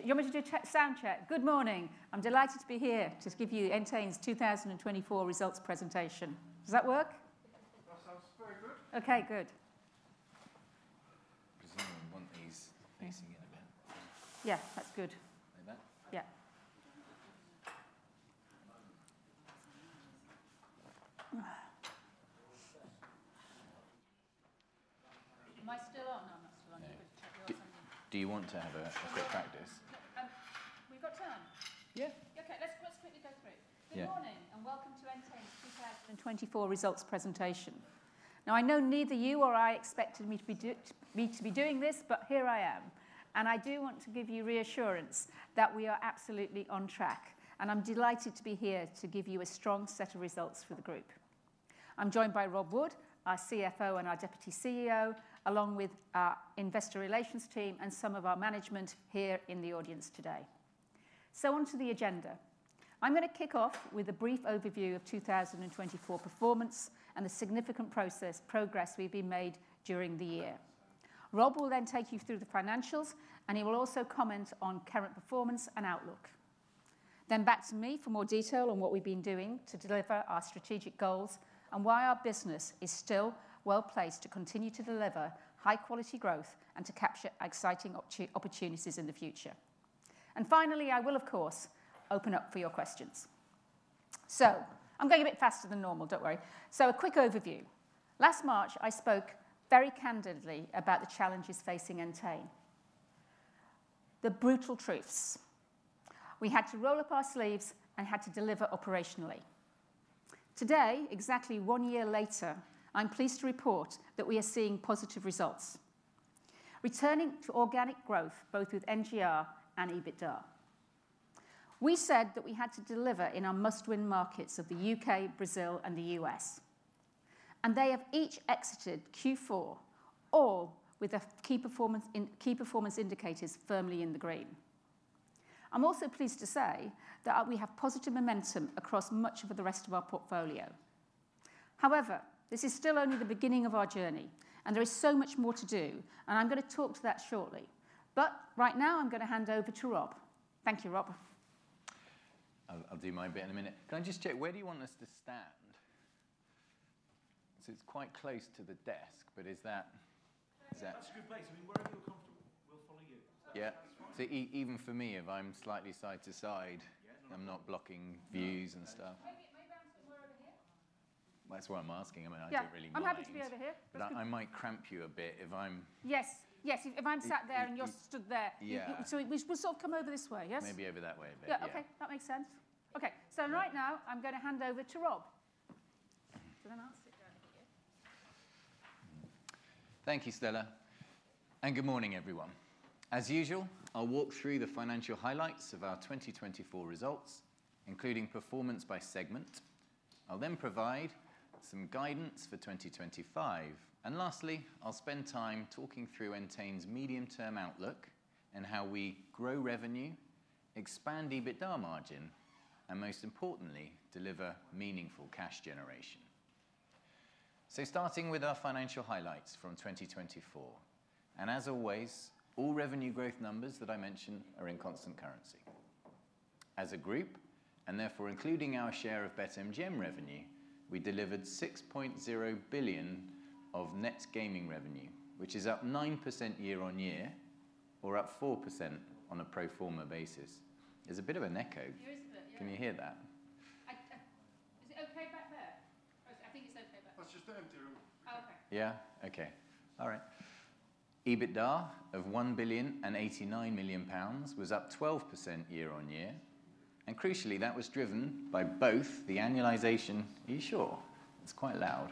Do you want me to do a sound check? Good morning. I'm delighted to be here to give you Entain's 2024 results presentation. Does that work? Okay, good. Does anyone want these facing in a bit? Yeah, that's good. Like that? Yeah. Am I still on? No, I'm not still on. You're supposed to check yours. Do you want to have a quick practice? We've got time. Okay, let's quickly go through. Good morning and welcome to Entain's 2024 results presentation. Now, I know neither you nor I expected me to be doing this, but here I am, and I do want to give you reassurance that we are absolutely on track, and I'm delighted to be here to give you a strong set of results for the group. I'm joined by Rob Wood, our CFO and our Deputy CEO, along with our investor relations team and some of our management here in the audience today. So on to the agenda, I'm going to kick off with a brief overview of 2024 performance and the significant progress we've made during the year. Rob will then take you through the financials, and he will also comment on current performance and outlook. Then back to me for more detail on what we've been doing to deliver our strategic goals and why our business is still well placed to continue to deliver high-quality growth and to capture exciting opportunities in the future. And finally, I will, of course, open up for your questions. So I'm going a bit faster than normal, don't worry. So a quick overview. Last March, I spoke very candidly about the challenges facing Entain: the brutal truths. We had to roll up our sleeves and had to deliver operationally. Today, exactly one year later, I'm pleased to report that we are seeing positive results, returning to organic growth both with NGR and EBITDA. We said that we had to deliver in our must-win markets of the U.K., Brazil, and the U.S., and they have each exited Q4, all with key performance indicators firmly in the green. I'm also pleased to say that we have positive momentum across much of the rest of our portfolio. However, this is still only the beginning of our journey, and there is so much more to do, and I'm going to talk to that shortly. But right now, I'm going to hand over to Rob. Thank you, Rob. I'll do mine in a minute. Can I just check? Where do you want us to stand? So it's quite close to the desk, but is that... That's a good place. I mean, wherever you're comfortable, we'll follow you. Yeah, so even for me, if I'm slightly side to side, I'm not blocking views and stuff. That's what I'm asking. I mean, I don't really mind. Yeah, I'm happy to be over here. I might cramp you a bit if I'm. Yes, yes. If I'm sat there and you're stood there. Yeah. So we'll sort of come over this way, yes? Maybe over that way a bit. Yeah, okay. That makes sense. Okay, so right now, I'm going to hand over to Rob. Thank you, Stella. Good morning, everyone. As usual, I'll walk through the financial highlights of our 2024 results, including performance by segment. I'll then provide some guidance for 2025. Lastly, I'll spend time talking through Entain's medium-term outlook and how we grow revenue, expand EBITDA margin, and most importantly, deliver meaningful cash generation. Starting with our financial highlights from 2024. As always, all revenue growth numbers that I mentioned are in constant currency. As a group, and therefore including our share of BetMGM revenue, we delivered 6.0 billion of net gaming revenue, which is up 9% year-on-year, or up 4% on a pro forma basis. There's a bit of an echo. Can you hear that? Is it okay back there? I think it's okay back there. That's just the empty room. Yeah? Okay. All right. EBITDA of 1.89 million pounds was up 12% year-on-year. And crucially, that was driven by both the annualization. Are you sure? It's quite loud.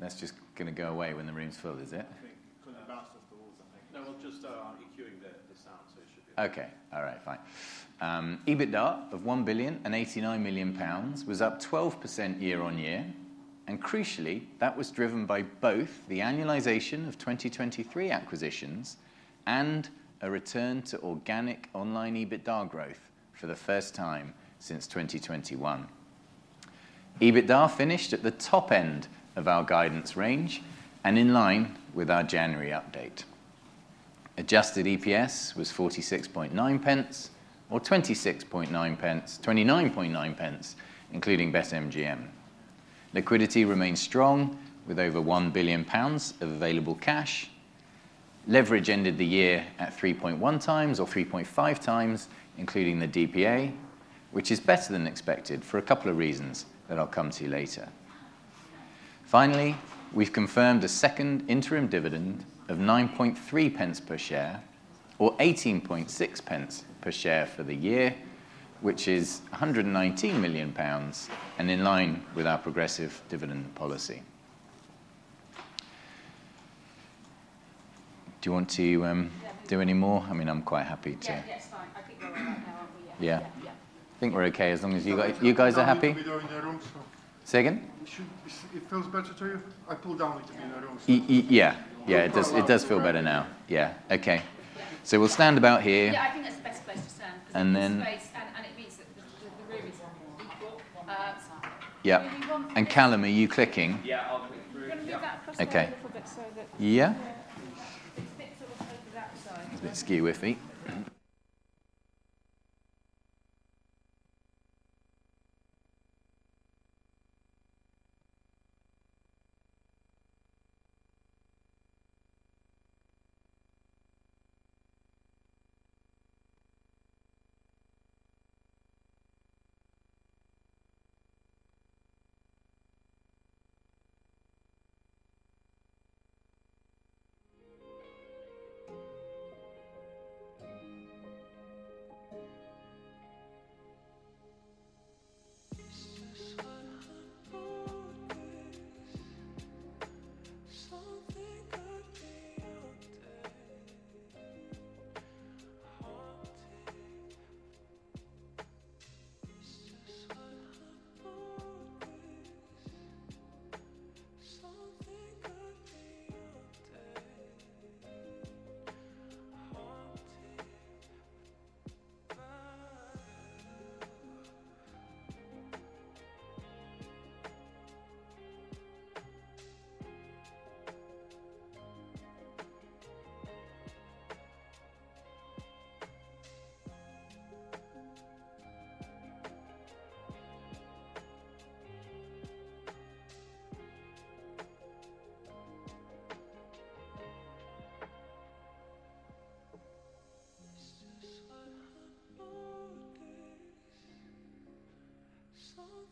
That's just going to go away when the room's full, is it? I think it couldn't bounce off the walls, I think. No, we'll just echoing the sound, so it should be okay. Okay. All right, fine. EBITDA of 1.89 million pounds was up 12% year-on-year. Crucially, that was driven by both the annualization of 2023 acquisitions and a return to organic online EBITDA growth for the first time since 2021. EBITDA finished at the top end of our guidance range and in line with our January update. Adjusted EPS was 46.9 pence, or 26.9 pence, 29.9 pence, including BetMGM. Liquidity remained strong with over 1 billion pounds of available cash. Leverage ended the year at 3.1 times or 3.5 times, including the DPA, which is better than expected for a couple of reasons that I'll come to later. Finally, we've confirmed a second interim dividend of 9.3 pence per share, or 18.6 pence per share for the year, which is 119 million pounds, and in line with our progressive dividend policy. Do you want to do any more? I mean, I'm quite happy to. Yeah. I think we're okay. You guys are happy We're doing the room so. Say again? It feels better to you? I pulled down a little bit in the room, so. Yeah, yeah. It does feel better now. Yeah. Okay. So we'll stand about here. Yeah, I think that's the best place to stand because it's space, and it means that the room is equal. Yeah. And Callum, are you clicking? Yeah, I'll click through. You're going to move that across a little bit so that. Yeah. It fits a little bit over that side. A bit skew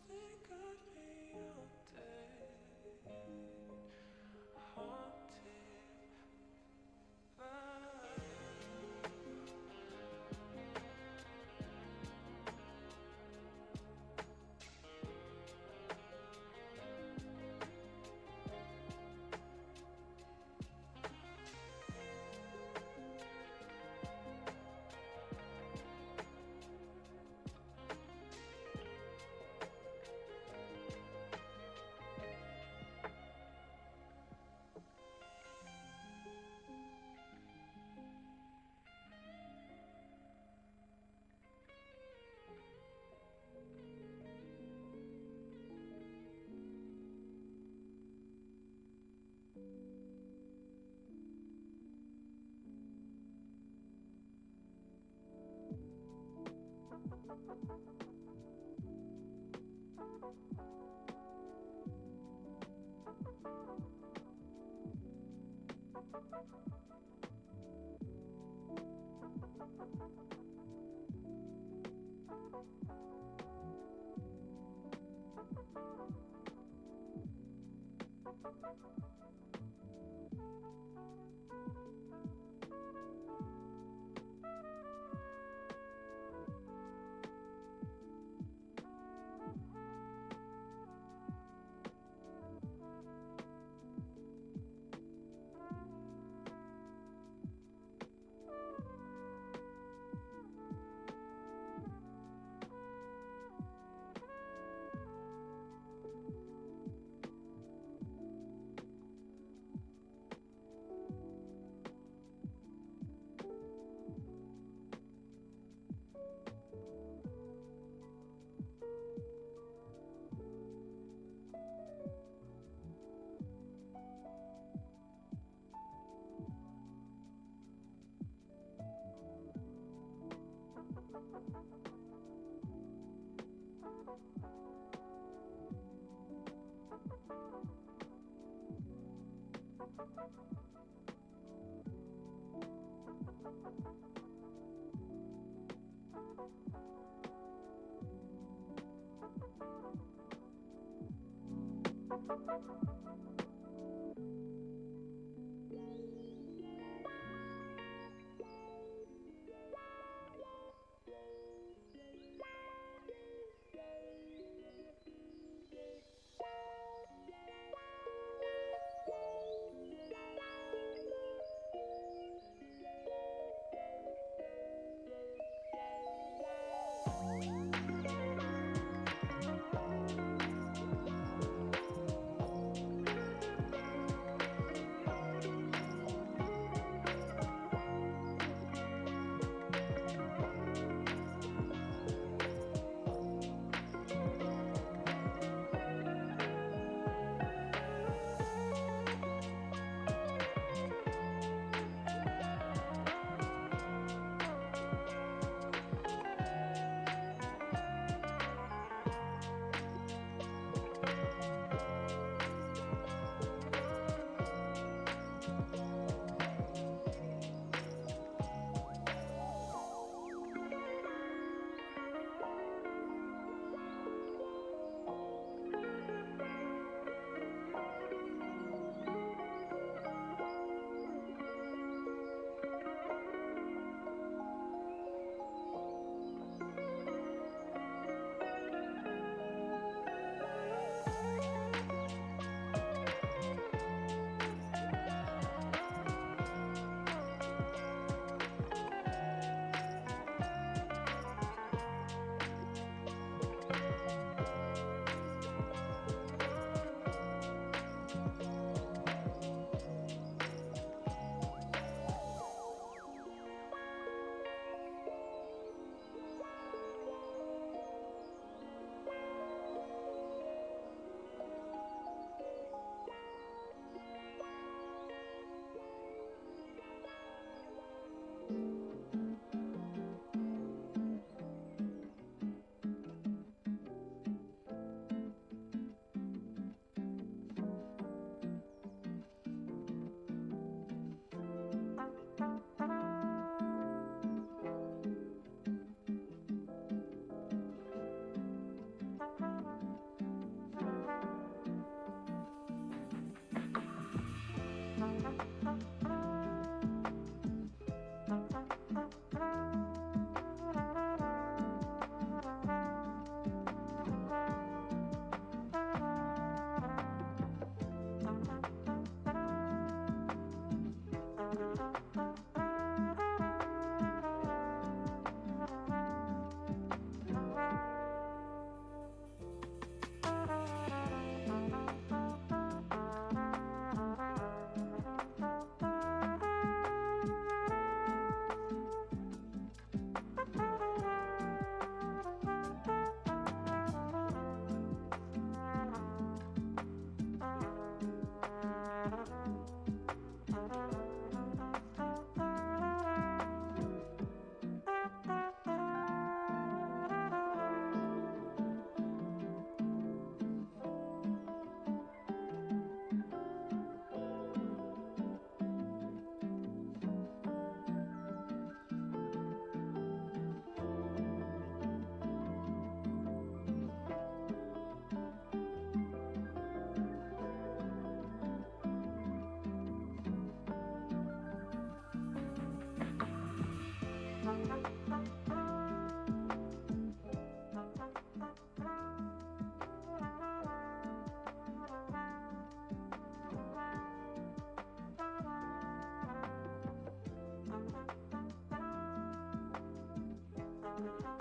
with me.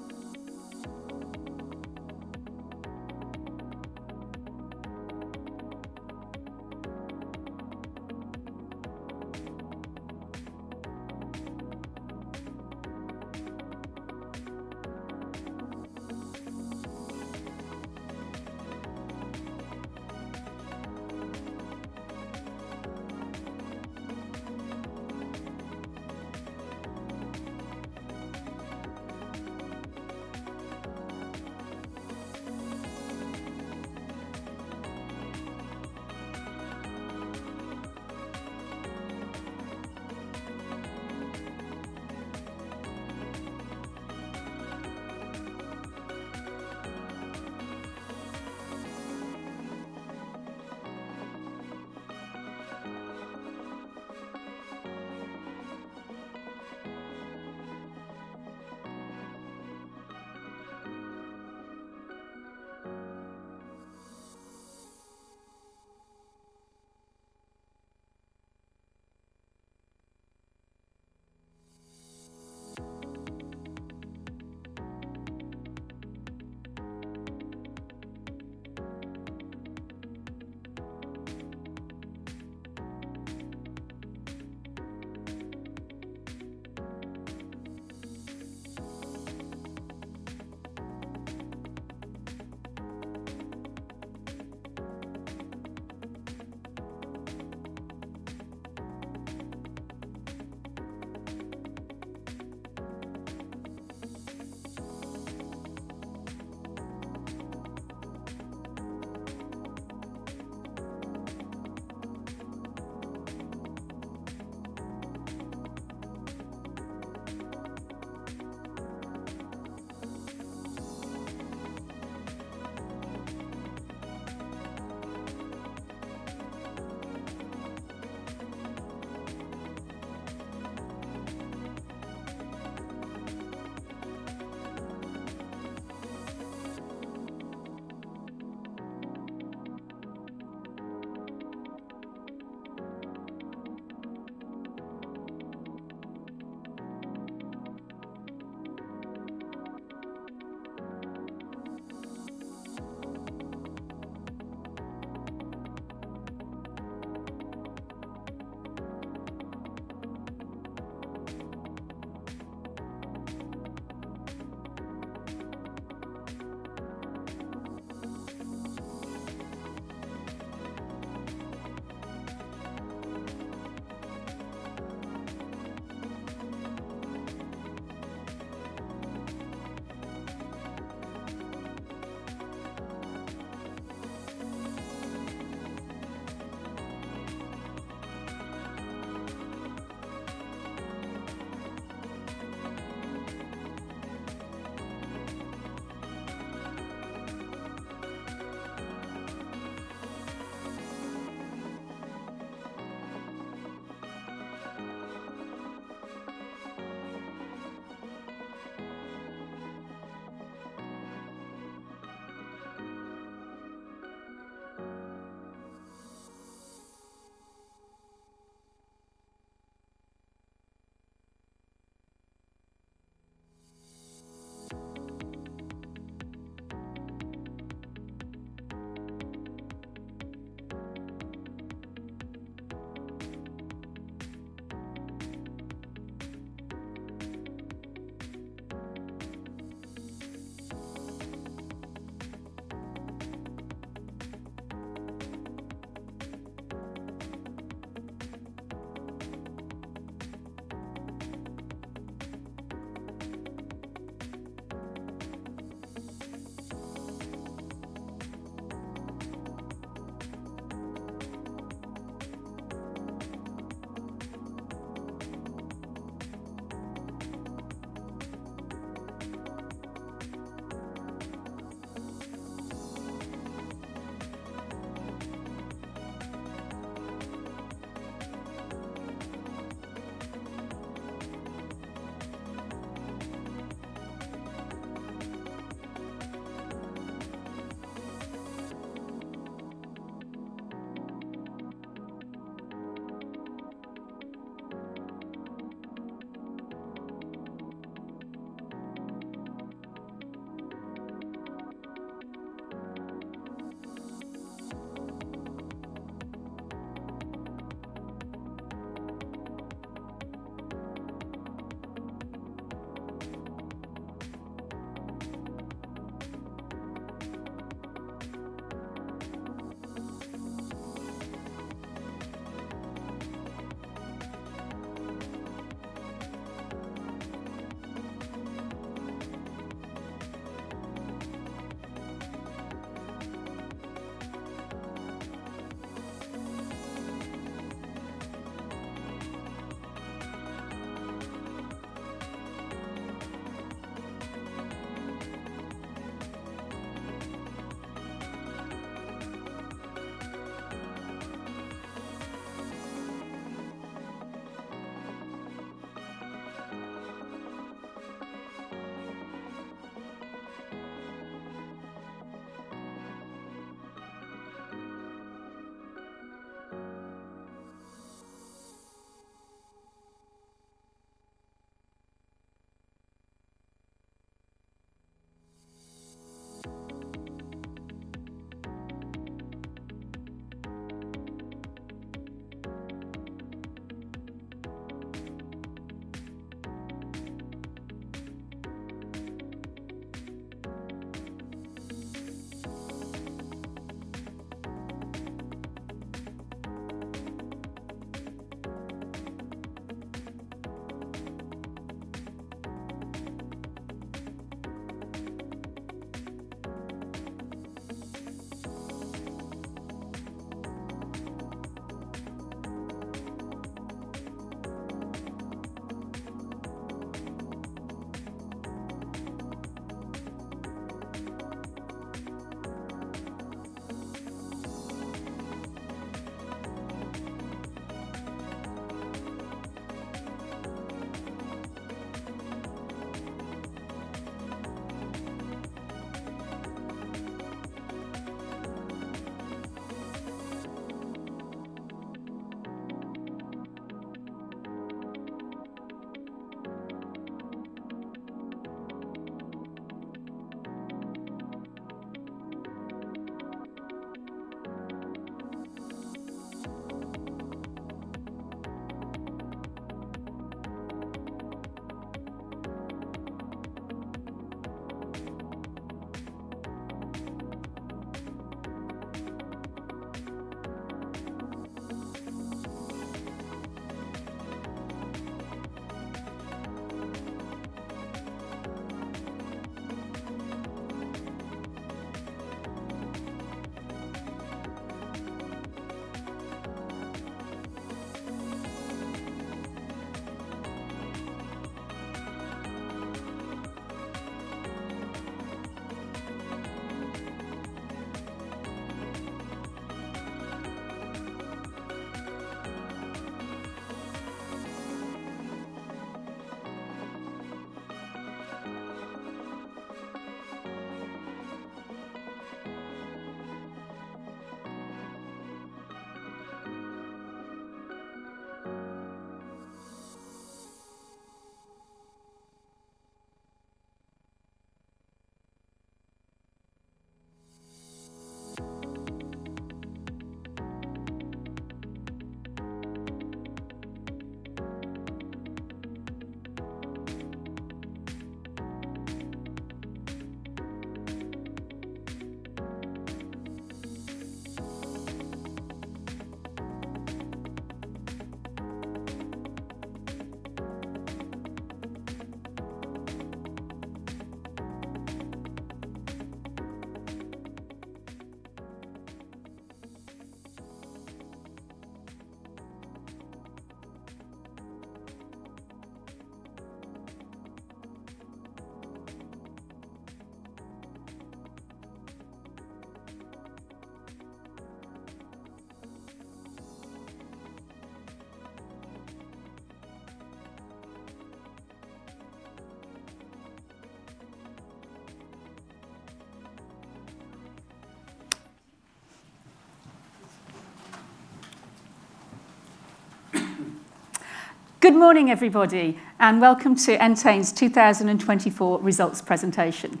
Good morning, everybody, and welcome to Entain's 2024 results presentation.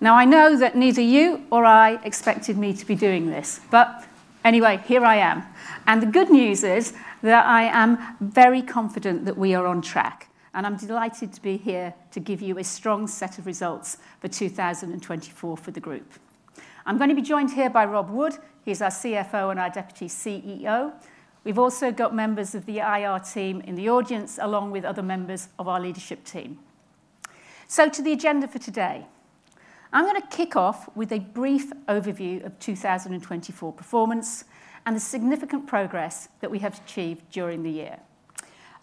Now, I know that neither you nor I expected me to be doing this, but anyway, here I am. And the good news is that I am very confident that we are on track, and I'm delighted to be here to give you a strong set of results for 2024 for the group. I'm going to be joined here by Rob Wood. He's our CFO and our Deputy CEO. We've also got members of the IR team in the audience, along with other members of our leadership team. To the agenda for today, I'm going to kick off with a brief overview of 2024 performance and the significant progress that we have achieved during the year.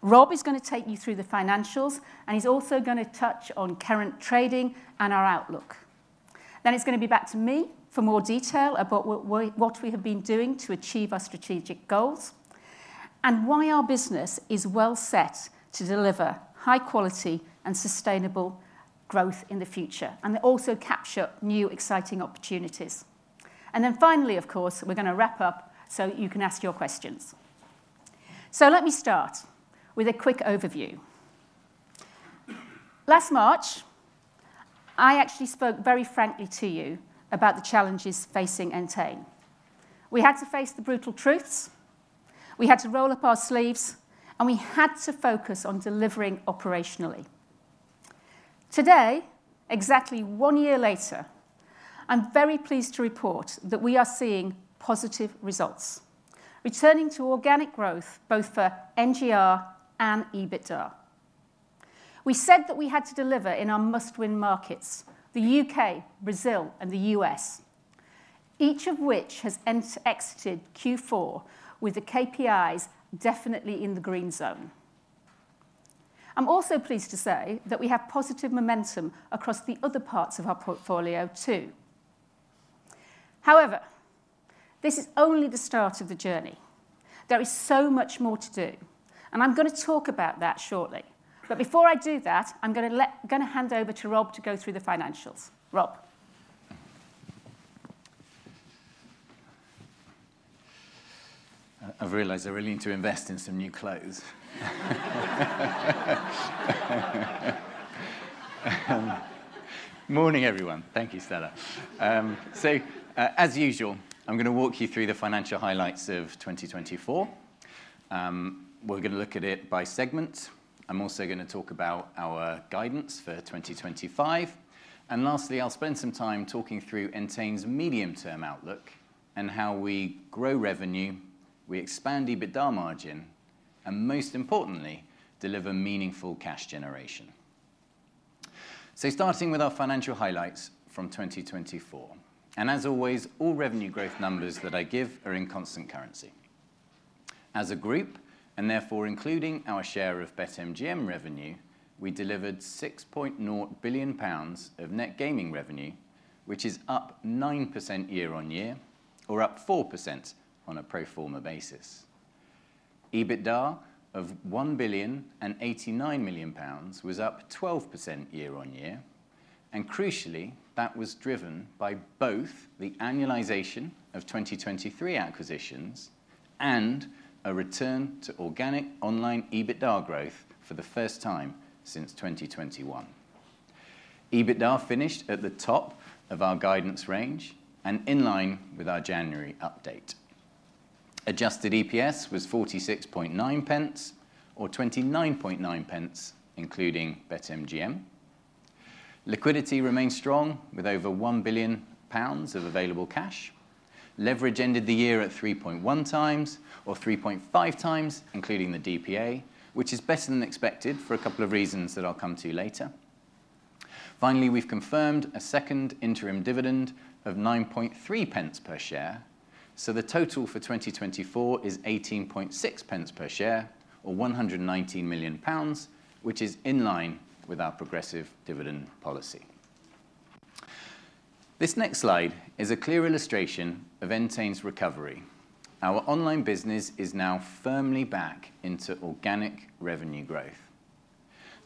Rob is going to take you through the financials, and he's also going to touch on current trading and our outlook. Then it's going to be back to me for more detail about what we have been doing to achieve our strategic goals and why our business is well set to deliver high-quality and sustainable growth in the future, and also capture new exciting opportunities. And then finally, of course, we're going to wrap up so you can ask your questions. So, let me start with a quick overview. Last March, I actually spoke very frankly to you about the challenges facing Entain. We had to face the brutal truths. We had to roll up our sleeves, and we had to focus on delivering operationally. Today, exactly one year later, I'm very pleased to report that we are seeing positive results, returning to organic growth both for NGR and EBITDA. We said that we had to deliver in our must-win markets: the U.K., Brazil, and the U.S., each of which has exited Q4 with the KPIs definitely in the green zone. I'm also pleased to say that we have positive momentum across the other parts of our portfolio too. However, this is only the start of the journey. There is so much more to do, and I'm going to talk about that shortly. But before I do that, I'm going to hand over to Rob to go through the financials. Rob. I've realized I really need to invest in some new clothes. Morning, everyone. Thank you, Stella. So, as usual, I'm going to walk you through the financial highlights of 2024. We're going to look at it by segment. I'm also going to talk about our guidance for 2025. And lastly, I'll spend some time talking through Entain's medium-term outlook and how we grow revenue, we expand EBITDA margin, and most importantly, deliver meaningful cash generation. So, starting with our financial highlights from 2024. And as always, all revenue growth numbers that I give are in constant currency. As a group, and therefore including our share of BetMGM revenue, we delivered 6.0 billion pounds of net gaming revenue, which is up 9% year-on-year, or up 4% on a pro forma basis. EBITDA of 1 billion and 89 million pounds was up 12% year-on-year. Crucially, that was driven by both the annualization of 2023 acquisitions and a return to organic online EBITDA growth for the first time since 2021. EBITDA finished at the top of our guidance range and in line with our January update. Adjusted EPS was 0.469 pence, or 0.299, including BetMGM. Liquidity remained strong with over 1 billion pounds of available cash. Leverage ended the year at 3.1 times, or 3.5 times, including the DPA, which is better than expected for a couple of reasons that I'll come to later. Finally, we've confirmed a second interim dividend of 0.093 per share. So, the total for 2024 is 0.186 per share, or 119 million pounds, which is in line with our progressive dividend policy. This next slide is a clear illustration of Entain's recovery. Our online business is now firmly back into organic revenue growth.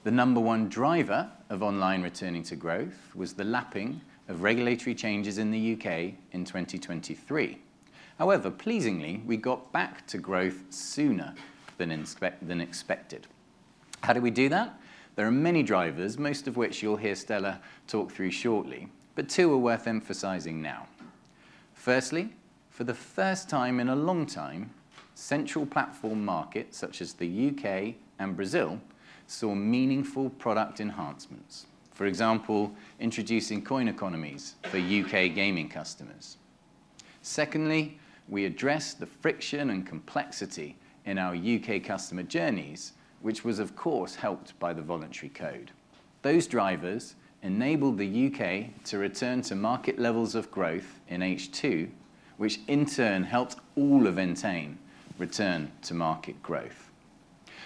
The number one driver of online returning to growth was the lapping of regulatory changes in the U.K. in 2023. However, pleasingly, we got back to growth sooner than expected. How did we do that? There are many drivers, most of which you'll hear Stella talk through shortly, but two are worth emphasizing now. Firstly, for the first time in a long time, central platform markets such as the U.K. and Brazil saw meaningful product enhancements, for example, introducing coin economies for U.K. gaming customers. Secondly, we addressed the friction and complexity in our U.K. customer journeys, which was, of course, helped by the voluntary code. Those drivers enabled the U.K. to return to market levels of growth in H2, which in turn helped all of Entain return to market growth.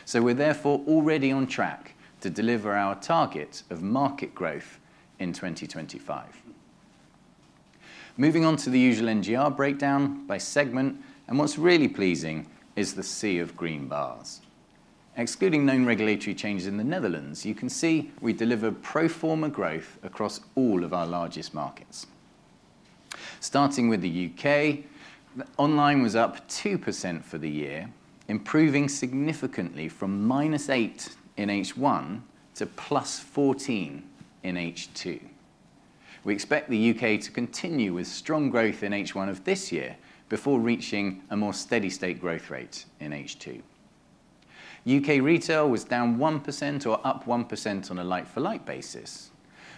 So, we're therefore already on track to deliver our target of market growth in 2025. Moving on to the usual NGR breakdown by segment, and what's really pleasing is the sea of green bars. Excluding known regulatory changes in the Netherlands, you can see we deliver pro forma growth across all of our largest markets. Starting with the U.K., online was up 2% for the year, improving significantly from -8% in H1 to +14% in H2. We expect the U.K. to continue with strong growth in H1 of this year before reaching a more steady-state growth rate in H2. U.K. retail was down 1% or up 1% on a like-for-like basis.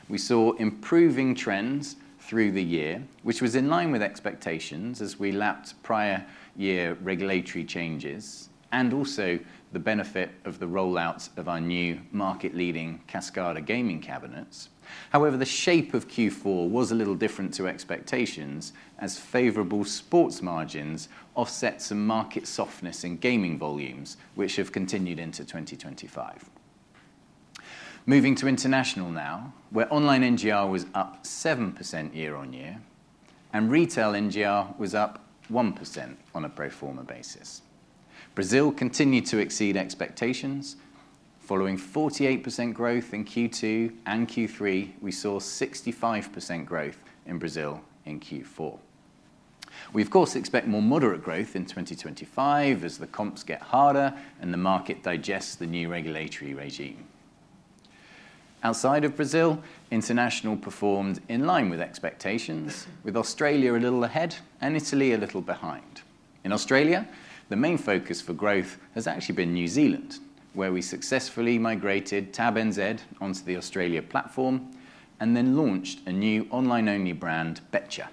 We saw improving trends through the year, which was in line with expectations as we lapped prior year regulatory changes and also the benefit of the rollout of our new market-leading Kascada gaming cabinets. However, the shape of Q4 was a little different to expectations as favorable sports margins offset some market softness in gaming volumes, which have continued into 2025. Moving to international now, where online NGR was up 7% year-on-year and retail NGR was up 1% on a pro forma basis. Brazil continued to exceed expectations. Following 48% growth in Q2 and Q3, we saw 65% growth in Brazil in Q4. We, of course, expect more moderate growth in 2025 as the comps get harder and the market digests the new regulatory regime. Outside of Brazil, international performed in line with expectations, with Australia a little ahead and Italy a little behind. In Australia, the main focus for growth has actually been New Zealand, where we successfully migrated TAB NZ onto the Australia platform and then launched a new online-only brand, Betcha.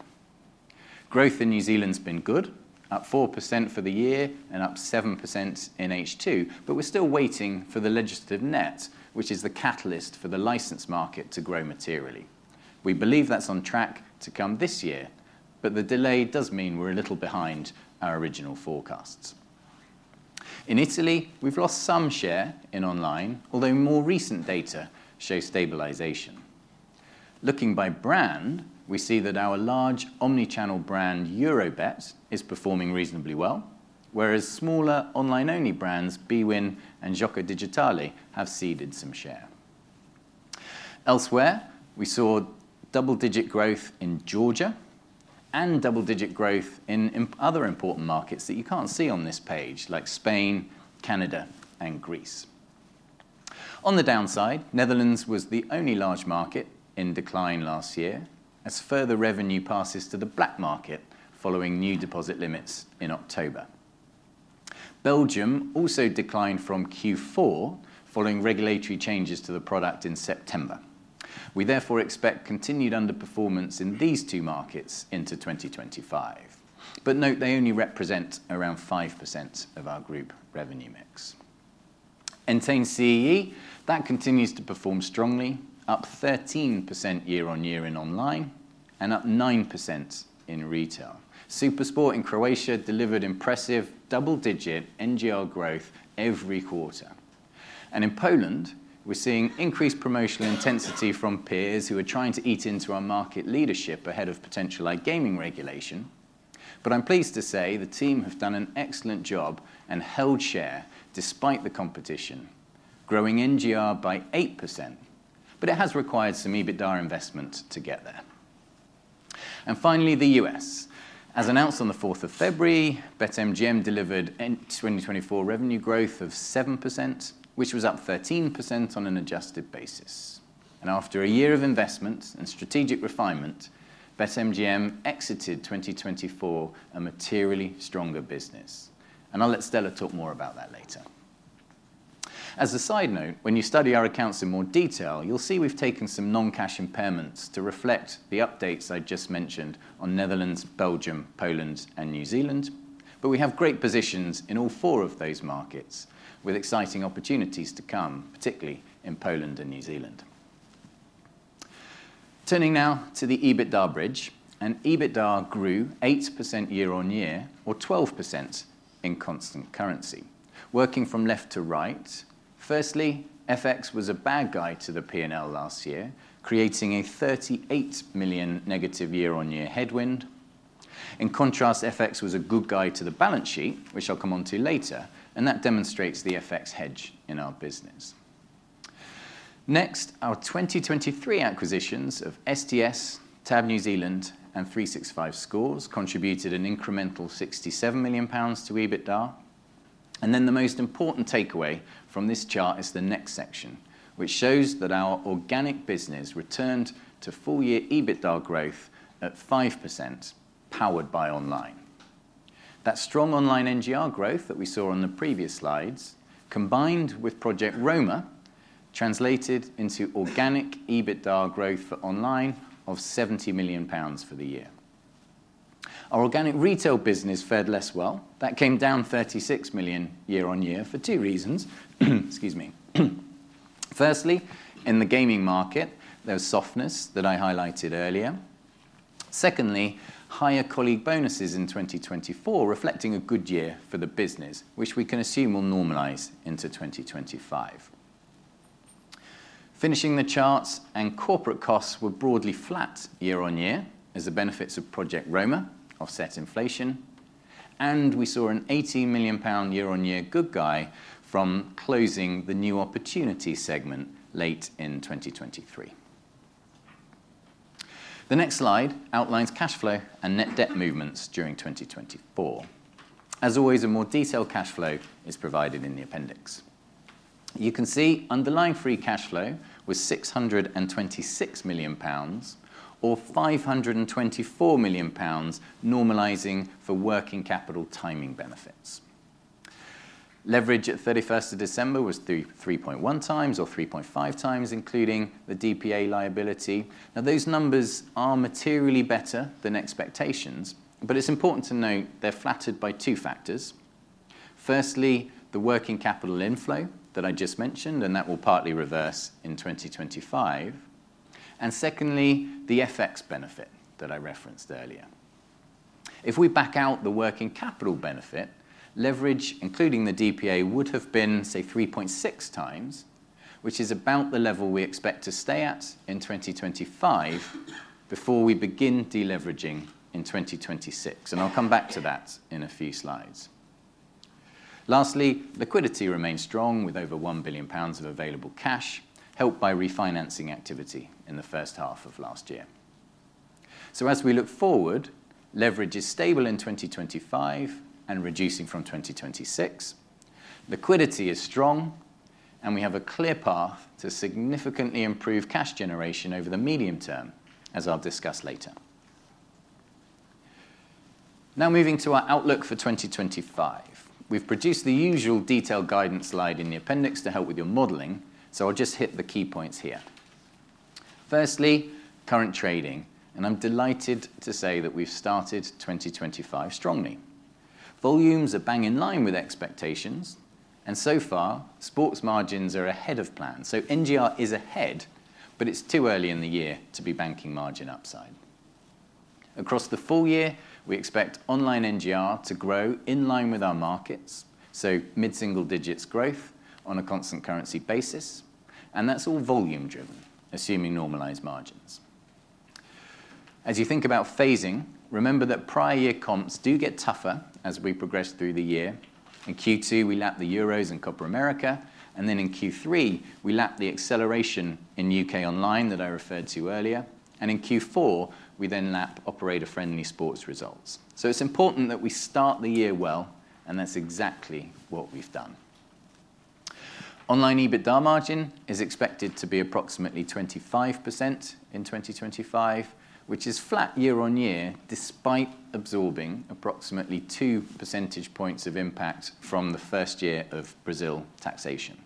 Growth in New Zealand has been good, up 4% for the year and up 7% in H2, but we're still waiting for the legislative net, which is the catalyst for the licensed market to grow materially. We believe that's on track to come this year, but the delay does mean we're a little behind our original forecasts. In Italy, we've lost some share in online, although more recent data show stabilization. Looking by brand, we see that our large omni-channel brand, Eurobet, is performing reasonably well, whereas smaller online-only brands, bwin and Gioco Digitale, have seeded some share. Elsewhere, we saw double-digit growth in Georgia and double-digit growth in other important markets that you can't see on this page, like Spain, Canada, and Greece. On the downside, Netherlands was the only large market in decline last year as further revenue passes to the black market following new deposit limits in October. Belgium also declined from Q4 following regulatory changes to the product in September. We therefore expect continued underperformance in these two markets into 2025. But note, they only represent around 5% of our group revenue mix. Entain's CEE, that continues to perform strongly, up 13% year-on-year in online and up 9% in retail. SuperSport in Croatia delivered impressive double-digit NGR growth every quarter. And in Poland, we're seeing increased promotional intensity from peers who are trying to eat into our market leadership ahead of potential iGaming regulation. But I'm pleased to say the team have done an excellent job and held share despite the competition, growing NGR by 8%. But it has required some EBITDA investment to get there. And finally, the U.S. As announced on the 4th of February, BetMGM delivered 2024 revenue growth of 7%, which was up 13% on an adjusted basis. And after a year of investment and strategic refinement, BetMGM exited 2024 a materially stronger business. And I'll let Stella talk more about that later. As a side note, when you study our accounts in more detail, you'll see we've taken some non-cash impairments to reflect the updates I just mentioned on Netherlands, Belgium, Poland, and New Zealand. But we have great positions in all four of those markets with exciting opportunities to come, particularly in Poland and New Zealand. Turning now to the EBITDA bridge, and EBITDA grew 8% year-on-year, or 12% in constant currency. Working from left to right, firstly, FX was a bad guy to the P&L last year, creating a 38 million negative year-on-year headwind. In contrast, FX was a good guy to the balance sheet, which I'll come on to later, and that demonstrates the FX hedge in our business. Next, our 2023 acquisitions of STS, Tab New Zealand, and 365Scores contributed an incremental 67 million pounds to EBITDA. And then the most important takeaway from this chart is the next section, which shows that our organic business returned to full-year EBITDA growth at 5%, powered by online. That strong online NGR growth that we saw on the previous slides, combined with Project Romer, translated into organic EBITDA growth for online of 70 million pounds for the year. Our organic retail business fared less well. That came down 36 million year-on-year for two reasons. Excuse me. Firstly, in the gaming market, there was softness that I highlighted earlier. Secondly, higher colleague bonuses in 2024, reflecting a good year for the business, which we can assume will normalize into 2025. Finishing the charts, and corporate costs were broadly flat year-on-year as the benefits of Project Romer offset inflation, and we saw a 18 million pound year-on-year good guy from closing the new opportunity segment late in 2023. The next slide outlines cash flow and net debt movements during 2024. As always, a more detailed cash flow is provided in the appendix. You can see underlying free cash flow was 626 million pounds, or 524 million pounds normalizing for working capital timing benefits. Leverage at 31st of December was 3.1 times or 3.5 times, including the DPA liability. Now, those numbers are materially better than expectations, but it's important to note they're flattered by two factors. Firstly, the working capital inflow that I just mentioned, and that will partly reverse in 2025. And secondly, the FX benefit that I referenced earlier. If we back out the working capital benefit, leverage, including the DPA, would have been, say, 3.6 times, which is about the level we expect to stay at in 2025 before we begin deleveraging in 2026. And I'll come back to that in a few slides. Lastly, liquidity remained strong with over 1 billion pounds of available cash, helped by refinancing activity in the first half of last year. So, as we look forward, leverage is stable in 2025 and reducing from 2026. Liquidity is strong, and we have a clear path to significantly improve cash generation over the medium term, as I'll discuss later. Now, moving to our outlook for 2025, we've produced the usual detailed guidance slide in the appendix to help with your modeling. So, I'll just hit the key points here. Firstly, current trading, and I'm delighted to say that we've started 2025 strongly. Volumes are bang in line with expectations, and so far, sports margins are ahead of plan, so NGR is ahead, but it's too early in the year to be banking margin upside. Across the full year, we expect online NGR to grow in line with our markets, so mid-single digits growth on a constant currency basis, and that's all volume-driven, assuming normalized margins. As you think about phasing, remember that prior year comps do get tougher as we progress through the year. In Q2, we lap the Euros and Copa América, and then in Q3, we lap the acceleration in U.K. online that I referred to earlier, and in Q4, we then lap operator-friendly sports results, so it's important that we start the year well, and that's exactly what we've done. Online EBITDA margin is expected to be approximately 25% in 2025, which is flat year-on-year despite absorbing approximately 2 percentage points of impact from the first year of Brazil taxation.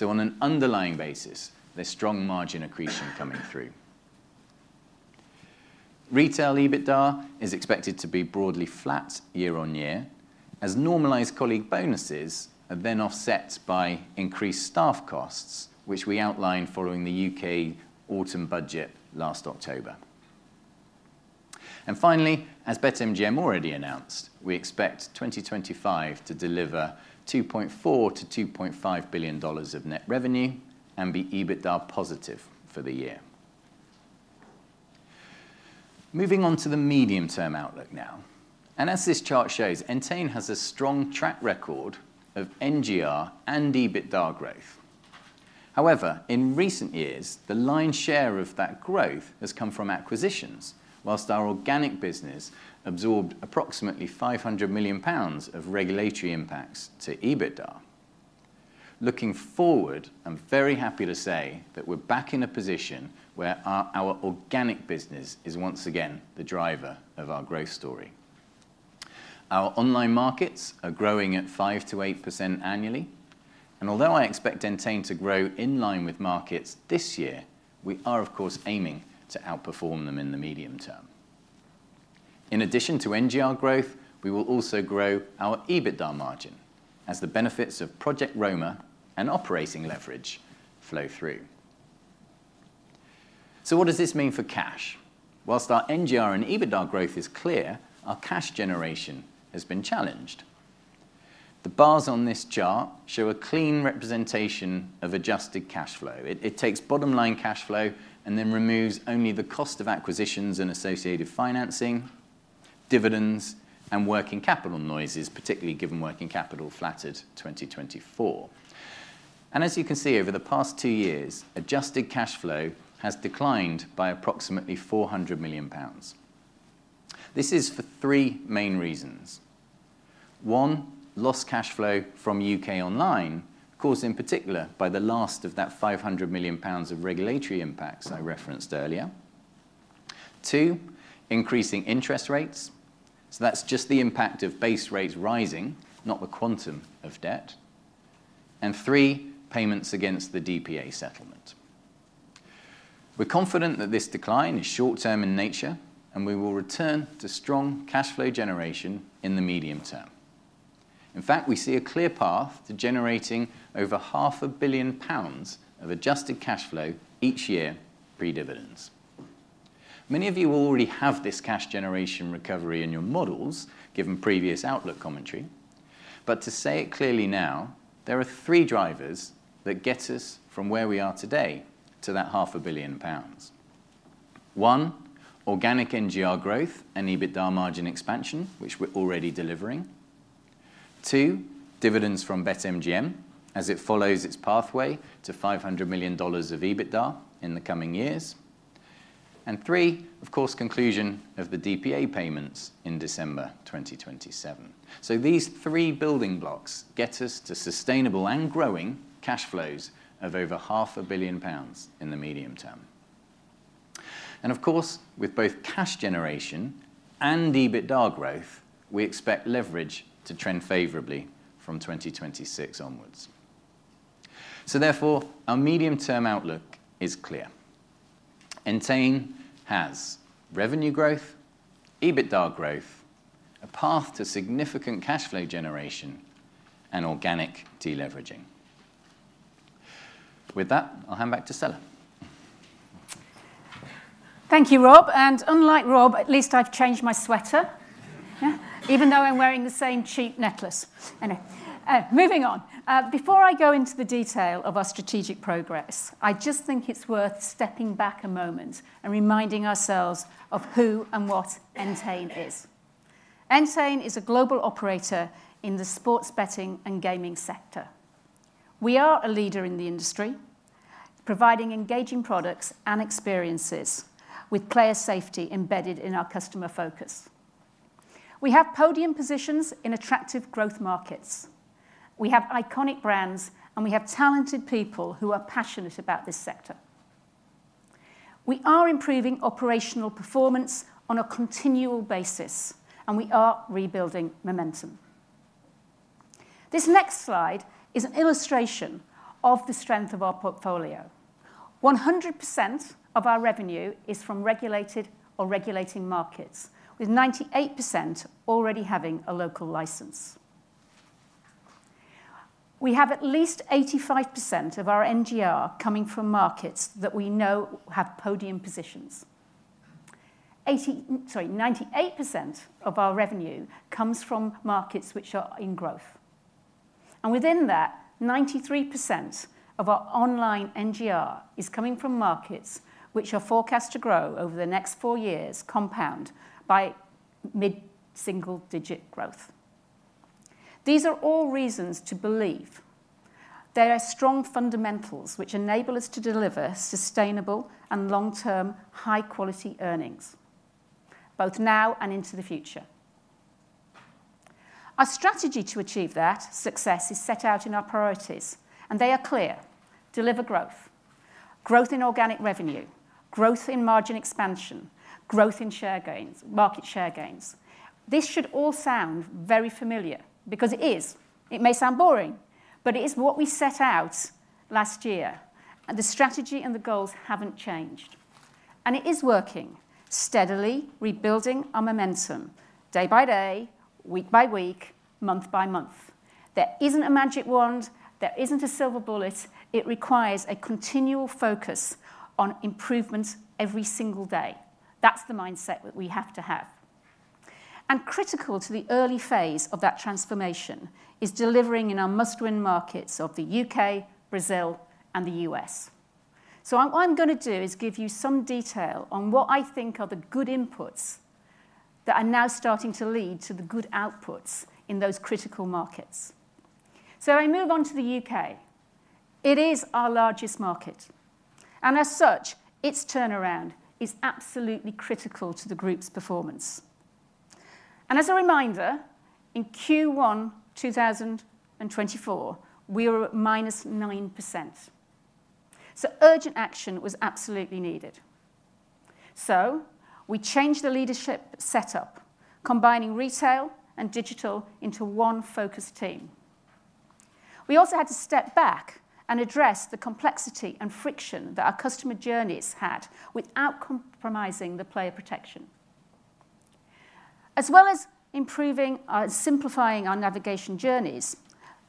On an underlying basis, there's strong margin accretion coming through. Retail EBITDA is expected to be broadly flat year-on-year, as normalized colleague bonuses are then offset by increased staff costs, which we outlined following the U.K. autumn budget last October. Finally, as BetMGM already announced, we expect 2025 to deliver $2.4-$2.5 billion of net revenue and be EBITDA positive for the year. Moving on to the medium-term outlook now. As this chart shows, Entain has a strong track record of NGR and EBITDA growth. However, in recent years, the lion's share of that growth has come from acquisitions, whilst our organic business absorbed approximately 500 million pounds of regulatory impacts to EBITDA. Looking forward, I'm very happy to say that we're back in a position where our organic business is once again the driver of our growth story. Our online markets are growing at 5%-8% annually, and although I expect Entain to grow in line with markets this year, we are, of course, aiming to outperform them in the medium term. In addition to NGR growth, we will also grow our EBITDA margin as the benefits of Project Romer and operating leverage flow through. So what does this mean for cash? While our NGR and EBITDA growth is clear, our cash generation has been challenged. The bars on this chart show a clean representation of adjusted cash flow. It takes bottom-line cash flow and then removes only the cost of acquisitions and associated financing, dividends, and working capital noises, particularly given working capital flattered 2024. As you can see, over the past two years, adjusted cash flow has declined by approximately 400 million pounds. This is for three main reasons. One, lost cash flow from U.K. online, caused in particular by the loss of that 500 million pounds of regulatory impacts I referenced earlier. Two, increasing interest rates. So, that's just the impact of base rates rising, not the quantum of debt. And three, payments against the DPA settlement. We're confident that this decline is short-term in nature, and we will return to strong cash flow generation in the medium term. In fact, we see a clear path to generating over 500 million pounds of adjusted cash flow each year pre-dividends. Many of you already have this cash generation recovery in your models, given previous outlook commentary. But to say it clearly now, there are three drivers that get us from where we are today to that 500 million pounds. One, organic NGR growth and EBITDA margin expansion, which we're already delivering. Two, dividends from BetMGM as it follows its pathway to $500 million of EBITDA in the coming years. And three, of course, conclusion of the DPA payments in December 2027. So, these three building blocks get us to sustainable and growing cash flows of over 500 million pounds in the medium-term. And of course, with both cash generation and EBITDA growth, we expect leverage to trend favorably from 2026 onwards. So, therefore, our medium-term outlook is clear. Entain has revenue growth, EBITDA growth, a path to significant cash flow generation, and organic deleveraging. With that, I'll hand back to Stella. Thank you, Rob. And unlike Rob, at least I've changed my sweater, even though I'm wearing the same cheap necklace. Anyway, moving on. Before I go into the detail of our strategic progress, I just think it's worth stepping back a moment and reminding ourselves of who and what Entain is. Entain is a global operator in the sports betting and gaming sector. We are a leader in the industry, providing engaging products and experiences with player safety embedded in our customer focus. We have podium positions in attractive growth markets. We have iconic brands, and we have talented people who are passionate about this sector. We are improving operational performance on a continual basis, and we are rebuilding momentum. This next slide is an illustration of the strength of our portfolio. 100% of our revenue is from regulated or regulating markets, with 98% already having a local license. We have at least 85% of our NGR coming from markets that we know have podium positions. Sorry, 98% of our revenue comes from markets which are in growth. And within that, 93% of our online NGR is coming from markets which are forecast to grow over the next four years, compound by mid-single digit growth. These are all reasons to believe there are strong fundamentals which enable us to deliver sustainable and long-term high-quality earnings, both now and into the future. Our strategy to achieve that success is set out in our priorities, and they are clear: deliver growth, growth in organic revenue, growth in margin expansion, growth in share gains, market share gains. This should all sound very familiar because it is. It may sound boring, but it is what we set out last year, and the strategy and the goals haven't changed. It is working steadily, rebuilding our momentum day by day, week by week, month by month. There isn't a magic wand. There isn't a silver bullet. It requires a continual focus on improvement every single day. That's the mindset that we have to have. Critical to the early phase of that transformation is delivering in our must-win markets of the U.K., Brazil, and the U.S. What I'm going to do is give you some detail on what I think are the good inputs that are now starting to lead to the good outputs in those critical markets. I move on to the U.K. It is our largest market. As such, its turnaround is absolutely critical to the group's performance. As a reminder, in Q1 2024, we were at -9%, so urgent action was absolutely needed. We changed the leadership setup, combining retail and digital into one focused team. We also had to step back and address the complexity and friction that our customer journeys had without compromising the player protection. As well as improving and simplifying our navigation journeys,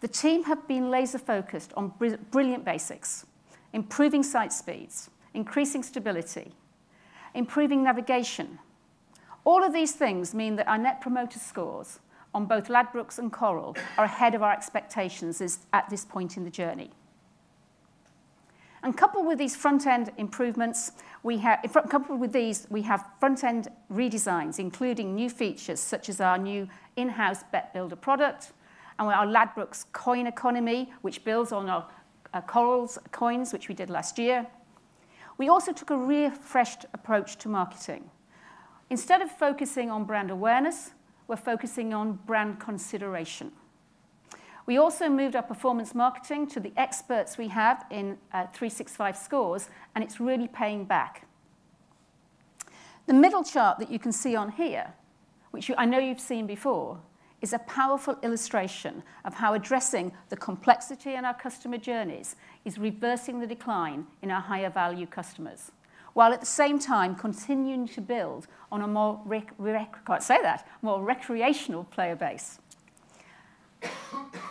the team have been laser-focused on brilliant basics, improving site speeds, increasing stability, improving navigation. All of these things mean that our Net Promoter Scores on both Ladbrokes and Coral are ahead of our expectations at this point in the journey. And coupled with these front-end improvements, we have front-end redesigns, including new features such as our new in-house Bet Builder product and our Ladbrokes Coin Economy, which builds on our Coral's coins, which we did last year. We also took a refreshed approach to marketing. Instead of focusing on brand awareness, we're focusing on brand consideration. We also moved our performance marketing to the experts we have in 365Scores, and it's really paying back. The middle chart that you can see on here, which I know you've seen before, is a powerful illustration of how addressing the complexity in our customer journeys is reversing the decline in our higher-value customers, while at the same time continuing to build on a more recreational player base.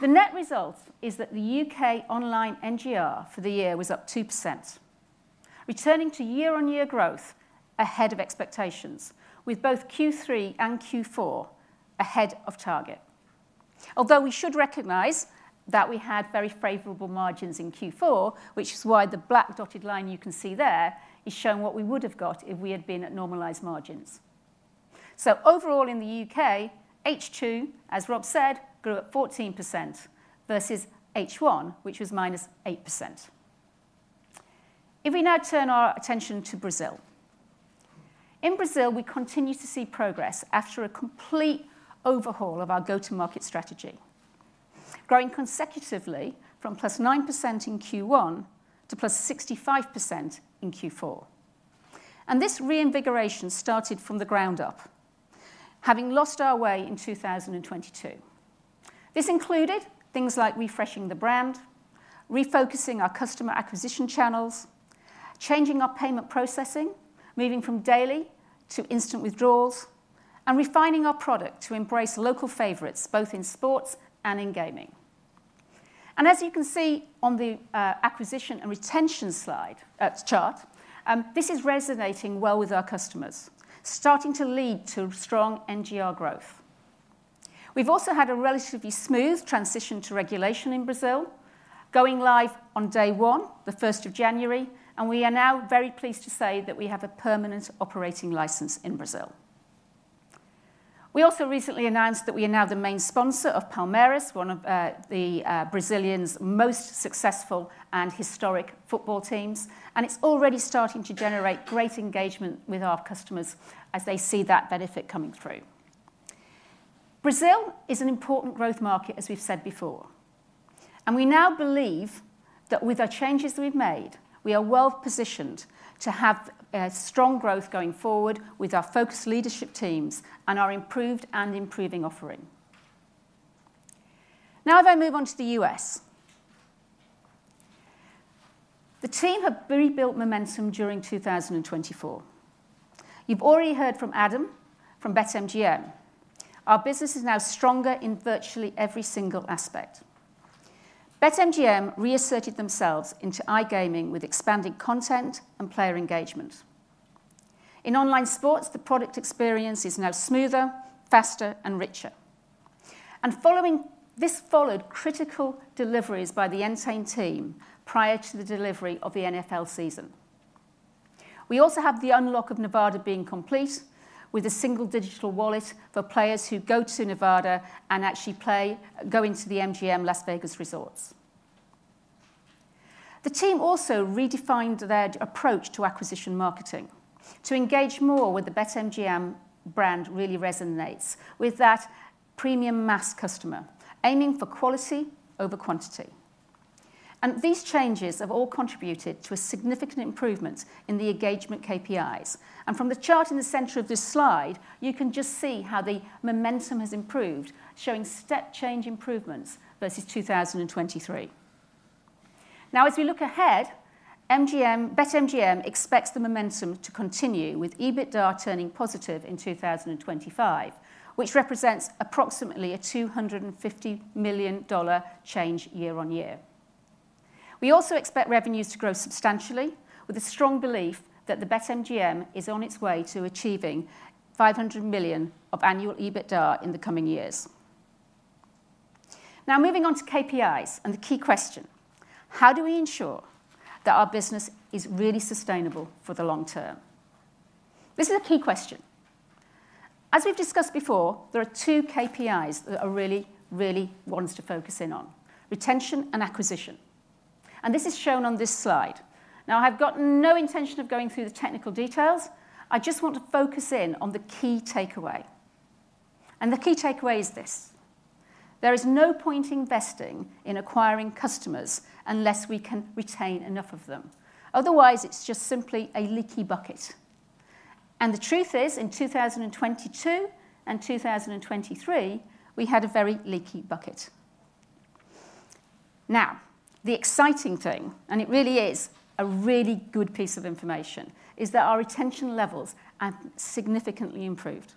The net result is that the U.K. online NGR for the year was up 2%, returning to year-on-year growth ahead of expectations, with both Q3 and Q4 ahead of target. Although we should recognize that we had very favorable margins in Q4, which is why the black dotted line you can see there is showing what we would have got if we had been at normalized margins. Overall in the U.K., H2, as Rob said, grew at 14% versus H1, which was -8%. If we now turn our attention to Brazil, in Brazil, we continue to see progress after a complete overhaul of our go-to-market strategy, growing consecutively from +9% in Q1 to +65% in Q4. This reinvigoration started from the ground up, having lost our way in 2022. This included things like refreshing the brand, refocusing our customer acquisition channels, changing our payment processing, moving from daily to instant withdrawals, and refining our product to embrace local favorites, both in sports and in gaming. As you can see on the acquisition and retention chart, this is resonating well with our customers, starting to lead to strong NGR growth. We've also had a relatively smooth transition to regulation in Brazil, going live on day one, the 1st of January, and we are now very pleased to say that we have a permanent operating license in Brazil. We also recently announced that we are now the main sponsor of Palmeiras, one of the Brazilian's most successful and historic football teams, and it's already starting to generate great engagement with our customers as they see that benefit coming through. Brazil is an important growth market, as we've said before, and we now believe that with the changes we've made, we are well-positioned to have strong growth going forward with our focused leadership teams and our improved and improving offering. Now, if I move on to the U.S., the team have rebuilt momentum during 2024. You've already heard from Adam from BetMGM. Our business is now stronger in virtually every single aspect. BetMGM reasserted themselves into iGaming with expanded content and player engagement. In online sports, the product experience is now smoother, faster, and richer, and this followed critical deliveries by the Entain team prior to the delivery of the NFL season. We also have the unlock of Nevada being complete with a single digital wallet for players who go to Nevada and actually go into the MGM Las Vegas resorts. The team also redefined their approach to acquisition marketing to engage more with the BetMGM brand, really resonates with that premium mass customer, aiming for quality over quantity, and these changes have all contributed to a significant improvement in the engagement KPIs. And from the chart in the center of this slide, you can just see how the momentum has improved, showing step-change improvements versus 2023. Now, as we look ahead, BetMGM expects the momentum to continue with EBITDA turning positive in 2025, which represents approximately a $250 million change year-on-year. We also expect revenues to grow substantially, with a strong belief that the BetMGM is on its way to achieving $500 million of annual EBITDA in the coming years. Now, moving on to KPIs and the key question, how do we ensure that our business is really sustainable for the long term? This is a key question. As we've discussed before, there are two KPIs that I really, really want us to focus in on: retention and acquisition, and this is shown on this slide. Now, I've got no intention of going through the technical details. I just want to focus in on the key takeaway. The key takeaway is this: there is no point investing in acquiring customers unless we can retain enough of them. Otherwise, it's just simply a leaky bucket. The truth is, in 2022 and 2023, we had a very leaky bucket. Now, the exciting thing, and it really is a really good piece of information, is that our retention levels have significantly improved.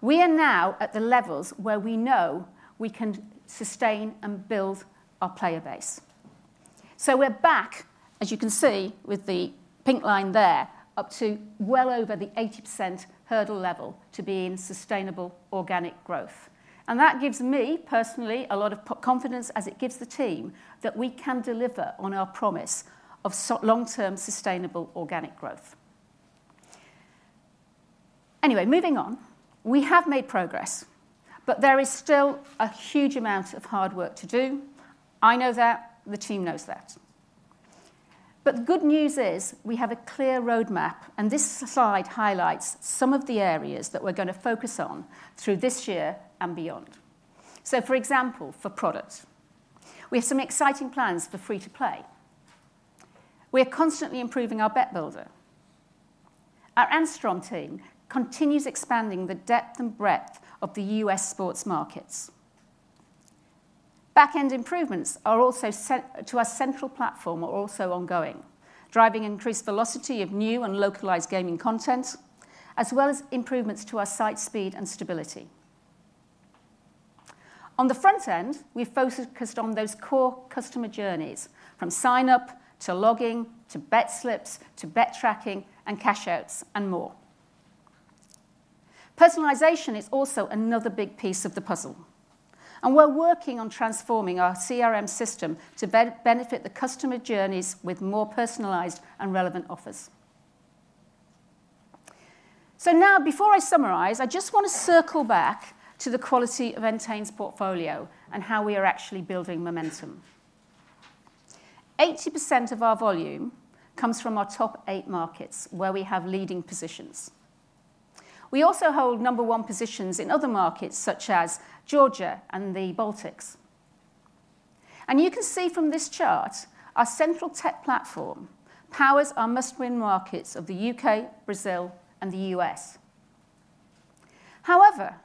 We are now at the levels where we know we can sustain and build our player base. We're back, as you can see with the pink line there, up to well over the 80% hurdle level to be in sustainable organic growth. That gives me personally a lot of confidence, as it gives the team, that we can deliver on our promise of long-term sustainable organic growth. Anyway, moving on, we have made progress, but there is still a huge amount of hard work to do. I know that. The team knows that. But the good news is we have a clear roadmap, and this slide highlights some of the areas that we're going to focus on through this year and beyond. So, for example, for products, we have some exciting plans for free-to-play. We are constantly improving our Bet Builder. Our Angstrom team continues expanding the depth and breadth of the U.S. sports markets. Back-end improvements to our central platform are also ongoing, driving increased velocity of new and localized gaming content, as well as improvements to our site speed and stability. On the front end, we've focused on those core customer journeys from sign-up to logging to bet slips to bet tracking and cash-outs and more. Personalization is also another big piece of the puzzle, and we're working on transforming our CRM system to better benefit the customer journeys with more personalized and relevant offers. So now, before I summarize, I just want to circle back to the quality of Entain's portfolio and how we are actually building momentum. 80% of our volume comes from our top eight markets where we have leading positions. We also hold number one positions in other markets such as Georgia and the Baltics, and you can see from this chart, our central tech platform powers our must-win markets of the U.K., Brazil, and the U.S. However,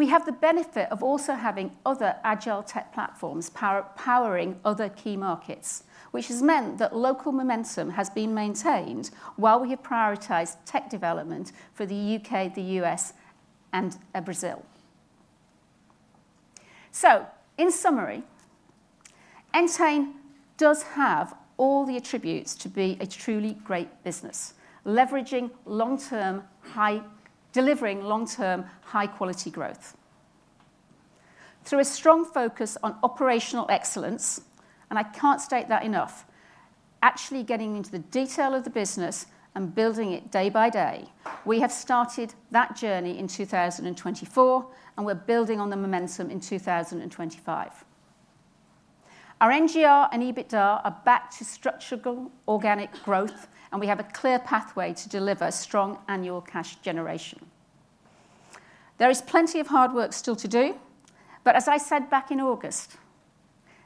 we have the benefit of also having other agile tech platforms powering other key markets, which has meant that local momentum has been maintained while we have prioritized tech development for the U.K., the U.S., and Brazil. So, in summary, Entain does have all the attributes to be a truly great business, delivering long-term high-quality growth through a strong focus on operational excellence. And I can't state that enough, actually getting into the detail of the business and building it day-by-day. We have started that journey in 2024, and we're building on the momentum in 2025. Our NGR and EBITDA are back to structural organic growth, and we have a clear pathway to deliver strong annual cash generation. There is plenty of hard work still to do, but as I said back in August,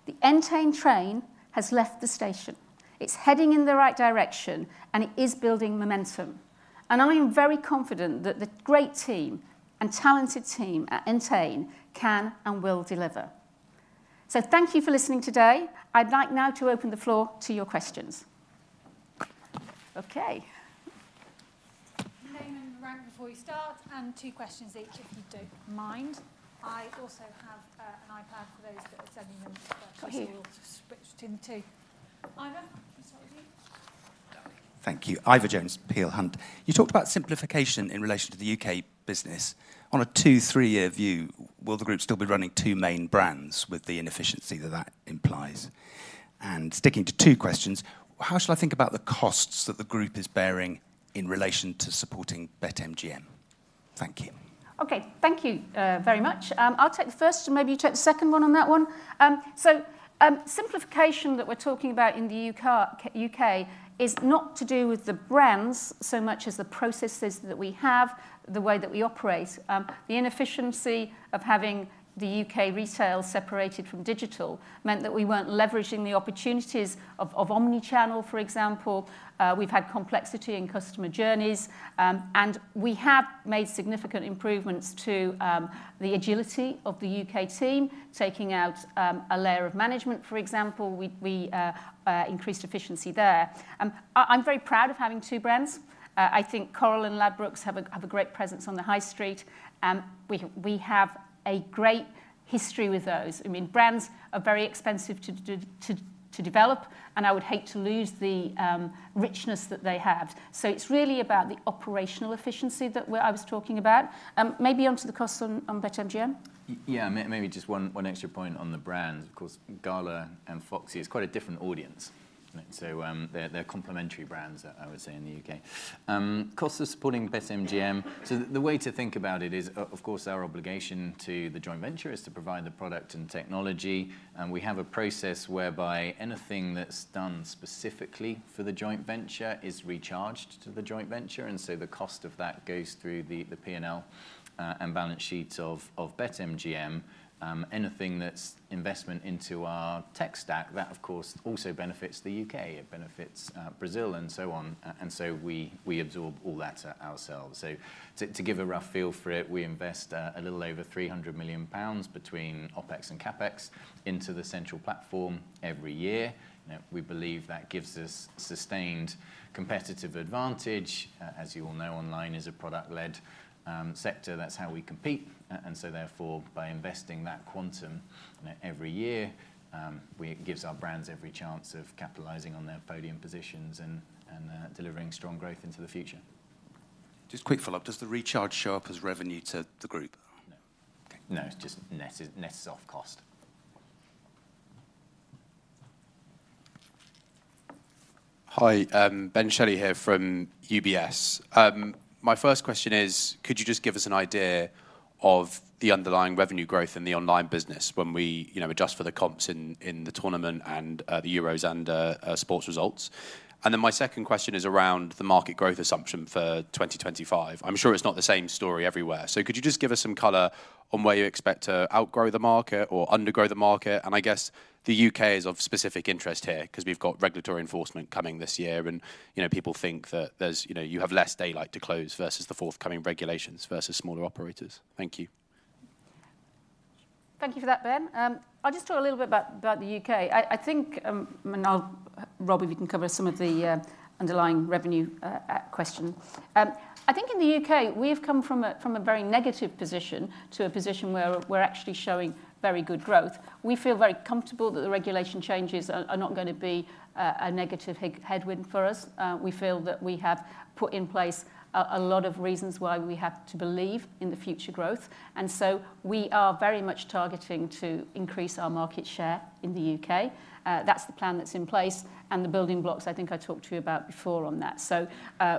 the Entain train has left the station. It's heading in the right direction, and it is building momentum. And I'm very confident that the great team and talented team at Entain can and will deliver. So, thank you for listening today. I'd like now to open the floor to your questions. Okay. Name and rank before you start, and two questions each, if you don't mind. I also have an iPad for those that are sending them questions. I'll switch to the two. Ivor, can I start with you? Thank you. Ivor Jones, Peel Hunt. You talked about simplification in relation to the U.K. business. On a two, three-year view, will the group still be running two main brands with the inefficiency that that implies? And sticking to two questions, how should I think about the costs that the group is bearing in relation to supporting BetMGM? Thank you. Okay. Thank you very much. I'll take the first. Maybe you take the second one on that one. So, simplification that we're talking about in the U.K. is not to do with the brands so much as the processes that we have, the way that we operate. The inefficiency of having the U.K. retail separated from digital meant that we weren't leveraging the opportunities of omnichannel, for example. We've had complexity in customer journeys, and we have made significant improvements to the agility of the U.K. team, taking out a layer of management, for example. We increased efficiency there. I'm very proud of having two brands. I think Coral and Ladbrokes have a great presence on the high street, and we have a great history with those. I mean, brands are very expensive to develop, and I would hate to lose the richness that they have. So, it's really about the operational efficiency that I was talking about. Maybe onto the costs on BetMGM? Yeah, maybe just one extra point on the brands. Of course, Gala and Foxy is quite a different audience. So, they're complementary brands, I would say, in the U.K. Costs of supporting BetMGM. So, the way to think about it is, of course, our obligation to the joint venture is to provide the product and technology. And we have a process whereby anything that's done specifically for the joint venture is recharged to the joint venture. And so, the cost of that goes through the P&L and balance sheets of BetMGM. Anything that's investment into our tech stack, that, of course, also benefits the U.K. It benefits Brazil and so on. And so, we absorb all that ourselves. So, to give a rough feel for it, we invest a little over 300 million pounds between OpEx and CapEx into the central platform every year. We believe that gives us sustained competitive advantage. As you all know, online is a product-led sector. That's how we compete. And so, therefore, by investing that quantum every year, it gives our brands every chance of capitalizing on their podium positions and delivering strong growth into the future. Just quick follow-up. Does the recharge show up as revenue to the group? No. No, it just nets us off cost. Hi, Ben Shelley here from UBS. My first question is, could you just give us an idea of the underlying revenue growth in the online business when we adjust for the comps in the tournament and the Euros and sports results? And then my second question is around the market growth assumption for 2025. I'm sure it's not the same story everywhere. So, could you just give us some color on where you expect to outgrow the market or undergrow the market? I guess the U.K. is of specific interest here because we've got regulatory enforcement coming this year, and people think that you have less daylight to close versus the forthcoming regulations versus smaller operators. Thank you. Thank you for that, Ben. I'll just talk a little bit about the U.K. I think, and Rob you can cover some of the underlying revenue question. I think in the U.K., we have come from a very negative position to a position where we're actually showing very good growth. We feel very comfortable that the regulation changes are not going to be a negative headwind for us. We feel that we have put in place a lot of reasons why we have to believe in the future growth. And so, we are very much targeting to increase our market share in the U.K. That's the plan that's in place and the building blocks I think I talked to you about before on that. So,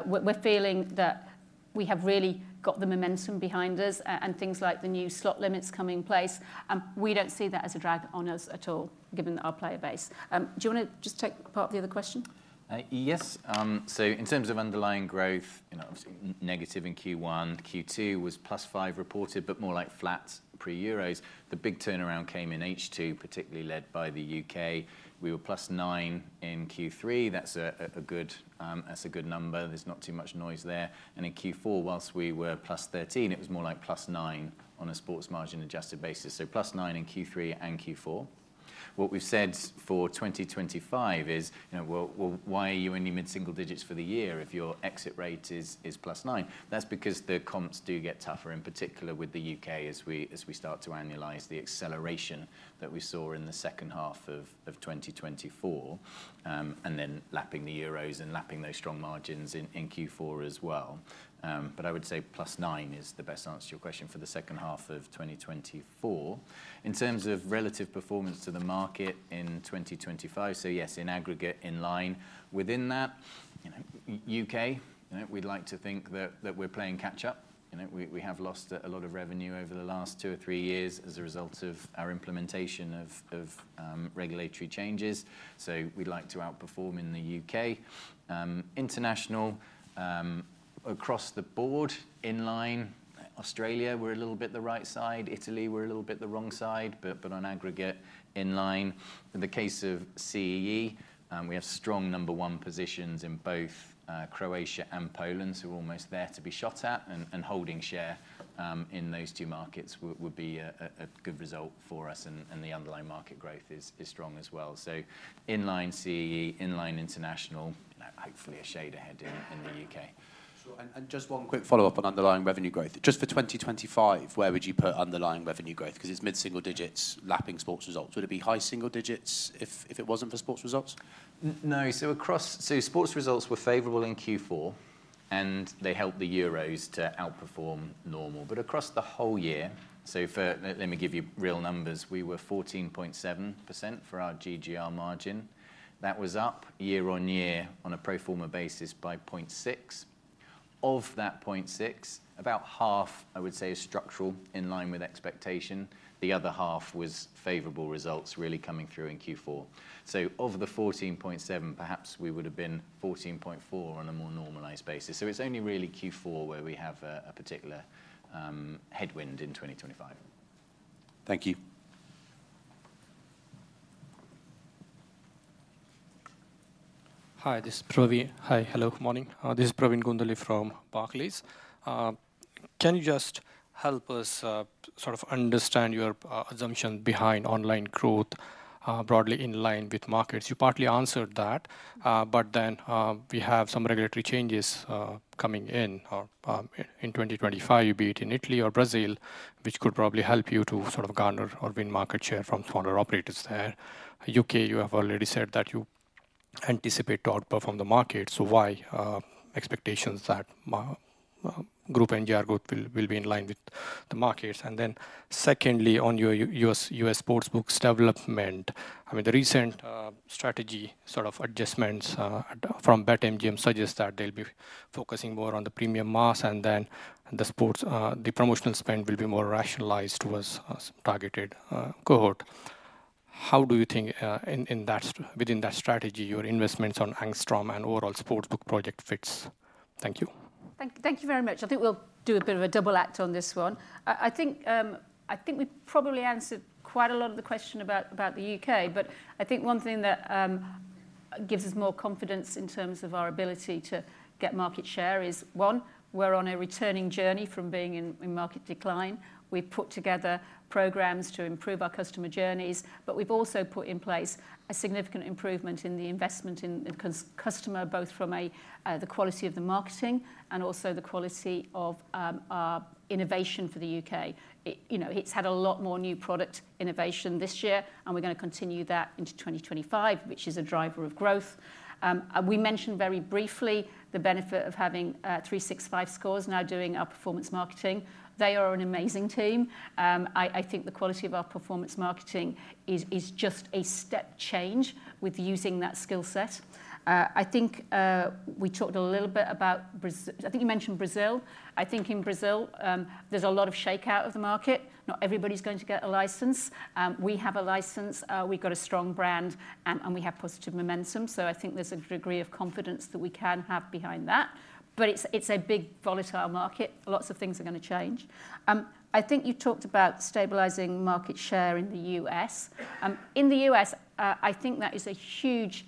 we're feeling that we have really got the momentum behind us and things like the new slot limits coming in place. And we don't see that as a drag on us at all, given our player base. Do you want to just take part of the other question? Yes. So, in terms of underlying growth, obviously negative in Q1. Q2 was +5% reported, but more like flat pre-Euros. The big turnaround came in H2, particularly led by the U.K. We were +9% in Q3. That's a good number. There's not too much noise there. And in Q4, while we were +13%, it was more like +9% on a sports margin adjusted basis. So, +9% in Q3 and Q4. What we've said for 2025 is, well, why are you only mid-single digits for the year if your exit rate is +9%? That's because the comps do get tougher, in particular with the U.K., as we start to annualise the acceleration that we saw in the second half of 2024, and then lapping the Euros and lapping those strong margins in Q4 as well. But I would say +9% is the best answer to your question for the second half of 2024. In terms of relative performance to the market in 2025, so yes, in aggregate, in line within that, U.K., we'd like to think that we're playing catch-up. We have lost a lot of revenue over the last two or three years as a result of our implementation of regulatory changes. So, we'd like to outperform in the U.K. International, across the board, in line. Australia, we're a little bit the right side. Italy, we're a little bit the wrong side, but on aggregate, in line. In the case of CEE, we have strong number one positions in both Croatia and Poland, so we're almost there to be shot at. And holding share in those two markets would be a good result for us, and the underlying market growth is strong as well. So, in line CEE, in line international, hopefully a shade ahead in the U.K. And just one quick follow-up on underlying revenue growth. Just for 2025, where would you put underlying revenue growth? Because it's mid-single digits, lapping sports results. Would it be high single digits if it wasn't for sports results? No. So, sports results were favorable in Q4, and they helped the Euros to outperform normal. But across the whole year, so let me give you real numbers. We were 14.7% for our GGR margin. That was up year-on-year on a pro forma basis by 0.6. Of that 0.6, about half, I would say, is structural in line with expectation. The other half was favorable results really coming through in Q4. So, of the 14.7, perhaps we would have been 14.4 on a more normalized basis. So, it's only really Q4 where we have a particular headwind in 2025. Thank you. Hi, this is Pravin. Hi, hello, good morning. This is Pravin Gondhale from Barclays. Can you just help us sort of understand your assumption behind online growth broadly in line with markets? You partly answered that, but then we have some regulatory changes coming in in 2025, be it in Italy or Brazil, which could probably help you to sort of garner or win market share from smaller operators there. U.K., you have already said that you anticipate to outperform the market. So, why expectations that group NGR growth will be in line with the markets? And then secondly, on your U.S. sports books development, I mean, the recent strategy sort of adjustments from BetMGM suggest that they'll be focusing more on the premium mass, and then the promotional spend will be more rationalized towards targeted cohort. How do you think within that strategy your investments on Angstrom and overall sports book project fits? Thank you. Thank you very much. I think we'll do a bit of a double act on this one. I think we probably answered quite a lot of the question about the U.K., but I think one thing that gives us more confidence in terms of our ability to get market share is, one, we're on a returning journey from being in market decline. We've put together programs to improve our customer journeys, but we've also put in place a significant improvement in the investment in customer, both from the quality of the marketing and also the quality of our innovation for the U.K. It's had a lot more new product innovation this year, and we're going to continue that into 2025, which is a driver of growth. We mentioned very briefly the benefit of having 365Scores now doing our performance marketing. They are an amazing team. I think the quality of our performance marketing is just a step change with using that skill set. I think we talked a little bit about Brazil. I think you mentioned Brazil. I think in Brazil, there's a lot of shakeout of the market. Not everybody's going to get a license. We have a license. We've got a strong brand, and we have positive momentum. So, I think there's a degree of confidence that we can have behind that. But it's a big volatile market. Lots of things are going to change. I think you talked about stabilizing market share in the U.S. In the U.S., I think that is a huge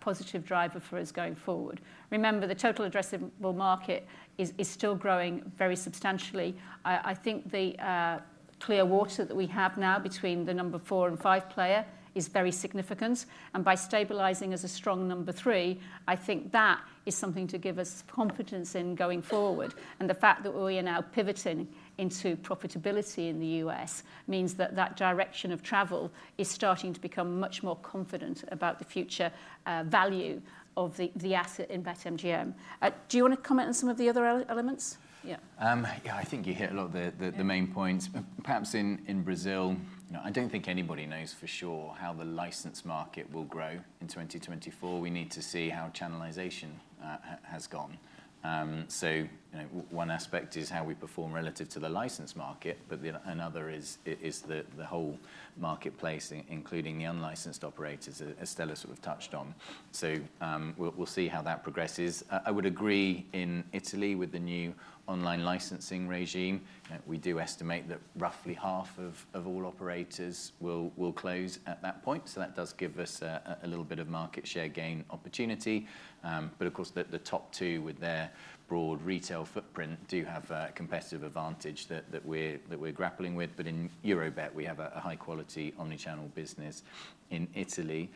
positive driver for us going forward. Remember, the total addressable market is still growing very substantially. I think the clear water that we have now between the number four and five player is very significant. And by stabilizing as a strong number three, I think that is something to give us confidence in going forward. And the fact that we are now pivoting into profitability in the U.S. means that that direction of travel is starting to become much more confident about the future value of the asset in BetMGM. Do you want to comment on some of the other elements? Yeah. Yeah, I think you hit a lot of the main points. Perhaps in Brazil, I don't think anybody knows for sure how the licensed market will grow in 2024. We need to see how channelization has gone. So, one aspect is how we perform relative to the licensed market, but another is the whole marketplace, including the unlicensed operators, as Stella sort of touched on. So, we'll see how that progresses. I would agree in Italy with the new online licensing regime. We do estimate that roughly half of all operators will close at that point. So, that does give us a little bit of market share gain opportunity. But of course, the top two with their broad retail footprint do have a competitive advantage that we're grappling with. But in Eurobet, we have a high-quality omnichannel business in Italy.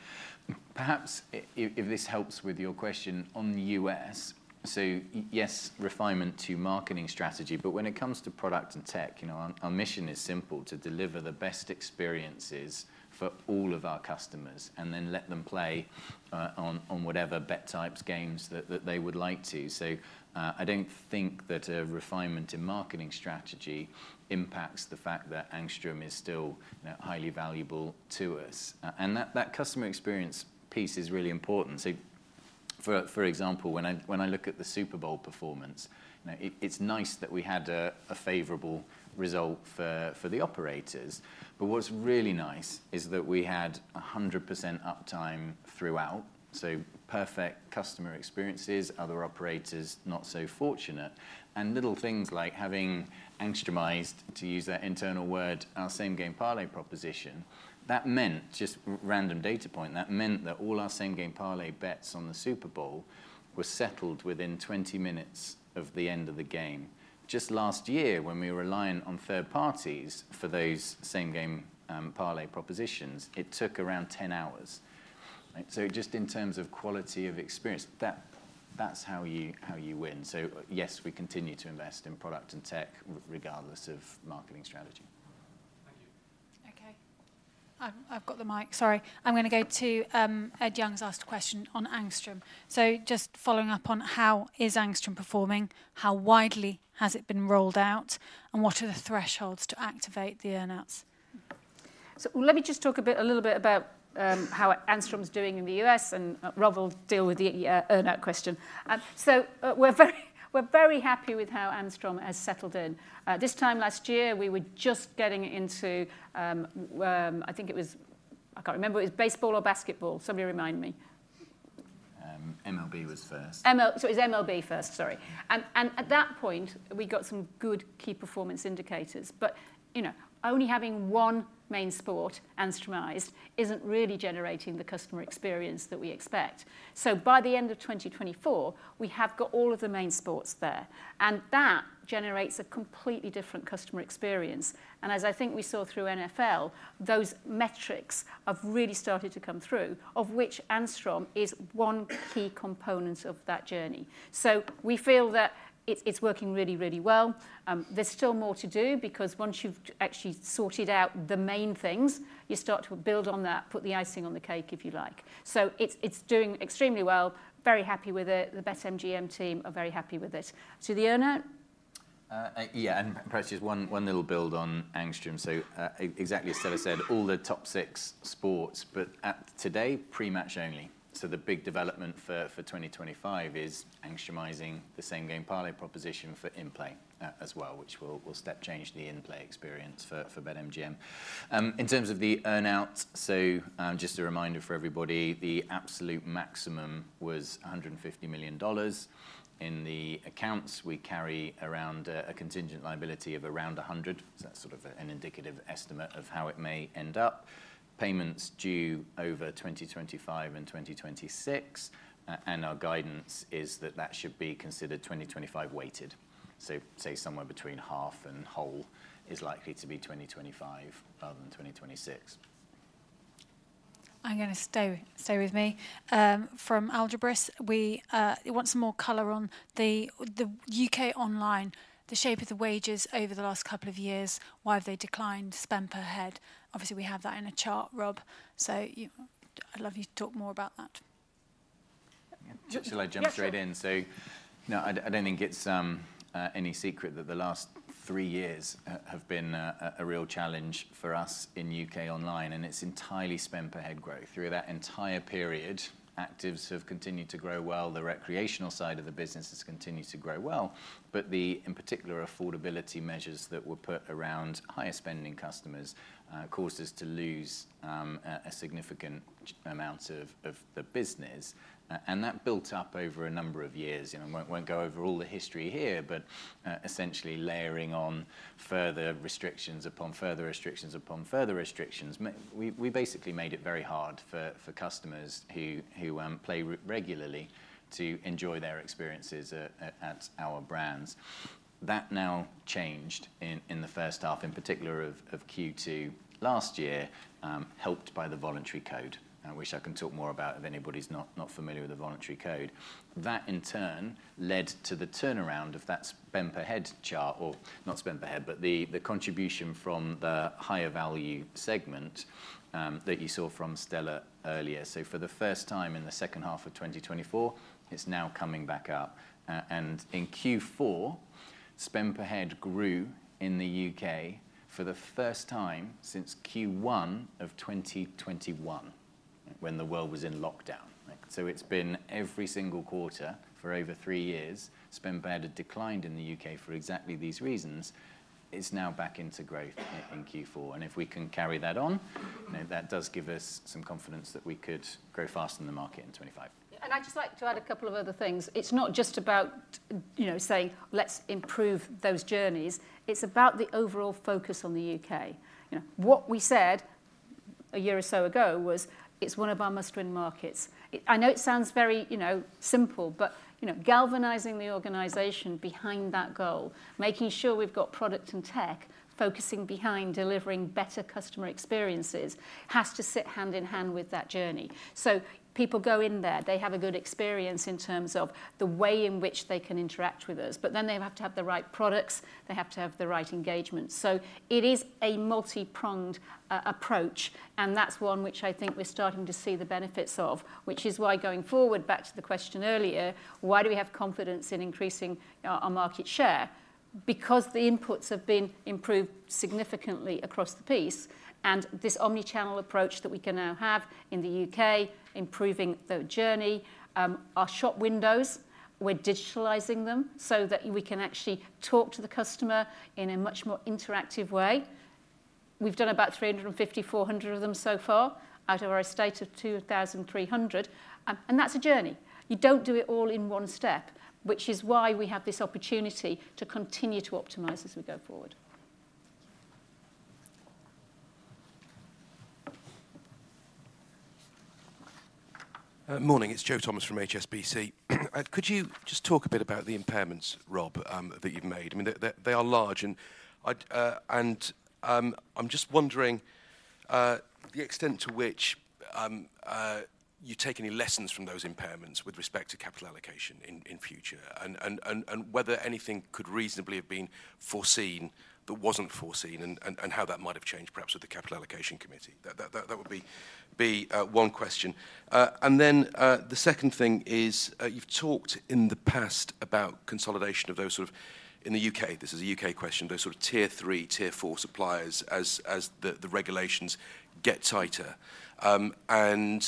Perhaps if this helps with your question on the U.S., so yes, refinement to marketing strategy, but when it comes to product and tech, our mission is simple: to deliver the best experiences for all of our customers and then let them play on whatever bet types, games that they would like to. So, I don't think that a refinement in marketing strategy impacts the fact that Angstrom is still highly valuable to us. And that customer experience piece is really important. So, for example, when I look at the Super Bowl performance, it's nice that we had a favorable result for the operators. But what's really nice is that we had 100% uptime throughout. So, perfect customer experiences, other operators not so fortunate. Little things like having Angstromized, to use that internal word, our Same Game Parlay proposition, that meant, just random data point, that meant that all our Same Game Parlay bets on the Super Bowl were settled within 20 minutes of the end of the game. Just last year, when we were relying on third parties for those Same Game Parlay propositions, it took around 10 hours. Just in terms of quality of experience, that's how you win. Yes, we continue to invest in product and tech regardless of marketing strategy. Okay. I've got the mic. Sorry. I'm going to go to Ed Young's asked question on Angstrom. Just following up on how is Angstrom performing? How widely has it been rolled out? And what are the thresholds to activate the earnouts? Let me just talk a little bit about how Angstrom's doing in the U.S., and Rob will deal with the earnout question. We're very happy with how Angstrom has settled in. This time last year, we were just getting into, I think it was, I can't remember, it was baseball or basketball. Somebody remind me. MLB was first. It was MLB first, sorry. At that point, we got some good key performance indicators. But only having one main sport, Angstromized, isn't really generating the customer experience that we expect. By the end of 2024, we have got all of the main sports there. That generates a completely different customer experience. As I think we saw through NFL, those metrics have really started to come through, of which Angstrom is one key component of that journey. We feel that it's working really, really well. There's still more to do because once you've actually sorted out the main things, you start to build on that, put the icing on the cake, if you like. It's doing extremely well. Very happy with it. The BetMGM team are very happy with it. To the earnout? Yeah. Perhaps just one little bit on Angstrom. Exactly as Stella said, all the top six sports, but today, pre-match only. The big development for 2025 is Angstromizing the Same Game Parlay proposition for in-play as well, which will step change the in-play experience for BetMGM. In terms of the earnouts, just a reminder for everybody, the absolute maximum was $150 million. In the accounts, we carry around a contingent liability of around $100 million. That's sort of an indicative estimate of how it may end up. Payments due over 2025 and 2026. Our guidance is that that should be considered 2025 weighted. Say, somewhere between half and whole is likely to be 2025 rather than 2026. I'm going to stay with me. From Algebris, we want some more color on the U.K. online, the shape of the wagers over the last couple of years, why have they declined spend per head? Obviously, we have that in a chart, Rob, so I'd love you to talk more about that. Just let me jump straight in. No, I don't think it's any secret that the last three years have been a real challenge for us in U.K. online, and it's entirely spend per head growth. Through that entire period, actives have continued to grow well. The recreational side of the business has continued to grow well. But the, in particular, affordability measures that were put around higher spending customers caused us to lose a significant amount of the business. And that built up over a number of years. I won't go over all the history here, but essentially layering on further restrictions upon further restrictions upon further restrictions, we basically made it very hard for customers who play regularly to enjoy their experiences at our brands. That now changed in the first half, in particular of Q2 last year, helped by the voluntary code, which I can talk more about if anybody's not familiar with the voluntary code. That, in turn, led to the turnaround of that spend per head chart, or not spend per head, but the contribution from the higher value segment that you saw from Stella earlier. So, for the first time in the second half of 2024, it's now coming back up. And in Q4, spend per head grew in the U.K. for the first time since Q1 of 2021, when the world was in lockdown. So, it's been every single quarter for over three years. Spend per head had declined in the U.K. for exactly these reasons. It's now back into growth in Q4. And if we can carry that on, that does give us some confidence that we could grow fast in the market in 2025. And I'd just like to add a couple of other things. It's not just about saying, let's improve those journeys. It's about the overall focus on the U.K. What we said a year or so ago was, it's one of our must-win markets. I know it sounds very simple, but galvanizing the organization behind that goal, making sure we've got product and tech focusing behind delivering better customer experiences has to sit hand-in-hand with that journey. So, people go in there, they have a good experience in terms of the way in which they can interact with us, but then they have to have the right products, they have to have the right engagement. So, it is a multi-pronged approach, and that's one which I think we're starting to see the benefits of, which is why going forward, back to the question earlier, why do we have confidence in increasing our market share? Because the inputs have been improved significantly across the piece. And this omni-channel approach that we can now have in the U.K., improving the journey, our shop windows, we're digitalizing them so that we can actually talk to the customer in a much more interactive way. We've done about 350-400 of them so far out of our estate of 2,300. And that's a journey. You don't do it all in one step, which is why we have this opportunity to continue to optimize as we go forward. Morning. It's Joe Thomas from HSBC. Could you just talk a bit about the impairments, Rob, that you've made? I mean, they are large. And I'm just wondering the extent to which you take any lessons from those impairments with respect to capital allocation in future, and whether anything could reasonably have been foreseen that wasn't foreseen, and how that might have changed perhaps with the Capital Allocation Committee. That would be one question. And then the second thing is, you've talked in the past about consolidation of those sort of, in the U.K., this is a U.K. question, those sort of tier three, tier four suppliers as the regulations get tighter. And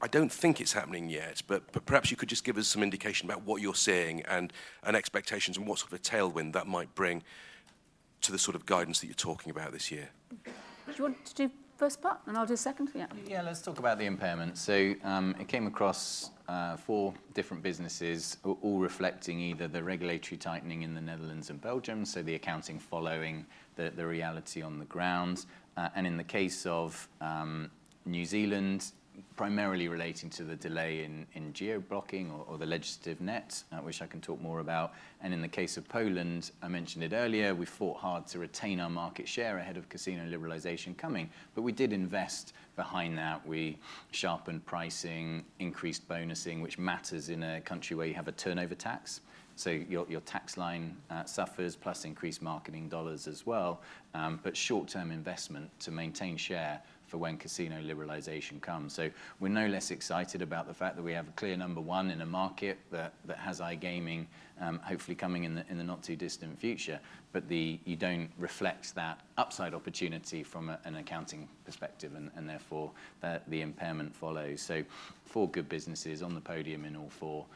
I don't think it's happening yet, but perhaps you could just give us some indication about what you're seeing and expectations and what sort of a tailwind that might bring to the sort of guidance that you're talking about this year. Do you want to do first part, and I'll do second? Yeah. Yeah, let's talk about the impairments. So, it came across four different businesses, all reflecting either the regulatory tightening in the Netherlands and Belgium, so the accounting following the reality on the ground. In the case of New Zealand, primarily relating to the delay in geo-blocking or the legislative net, which I can talk more about. In the case of Poland, I mentioned it earlier. We fought hard to retain our market share ahead of casino liberalization coming, but we did invest behind that. We sharpened pricing, increased bonusing, which matters in a country where you have a turnover tax. So, your tax line suffers, plus increased marketing dollars as well. But short-term investment to maintain share for when casino liberalization comes. We're no less excited about the fact that we have a clear number one in a market that has iGaming, hopefully coming in the not too distant future. But you don't reflect that upside opportunity from an accounting perspective, and therefore the impairment follows. Four good businesses on the podium in all four,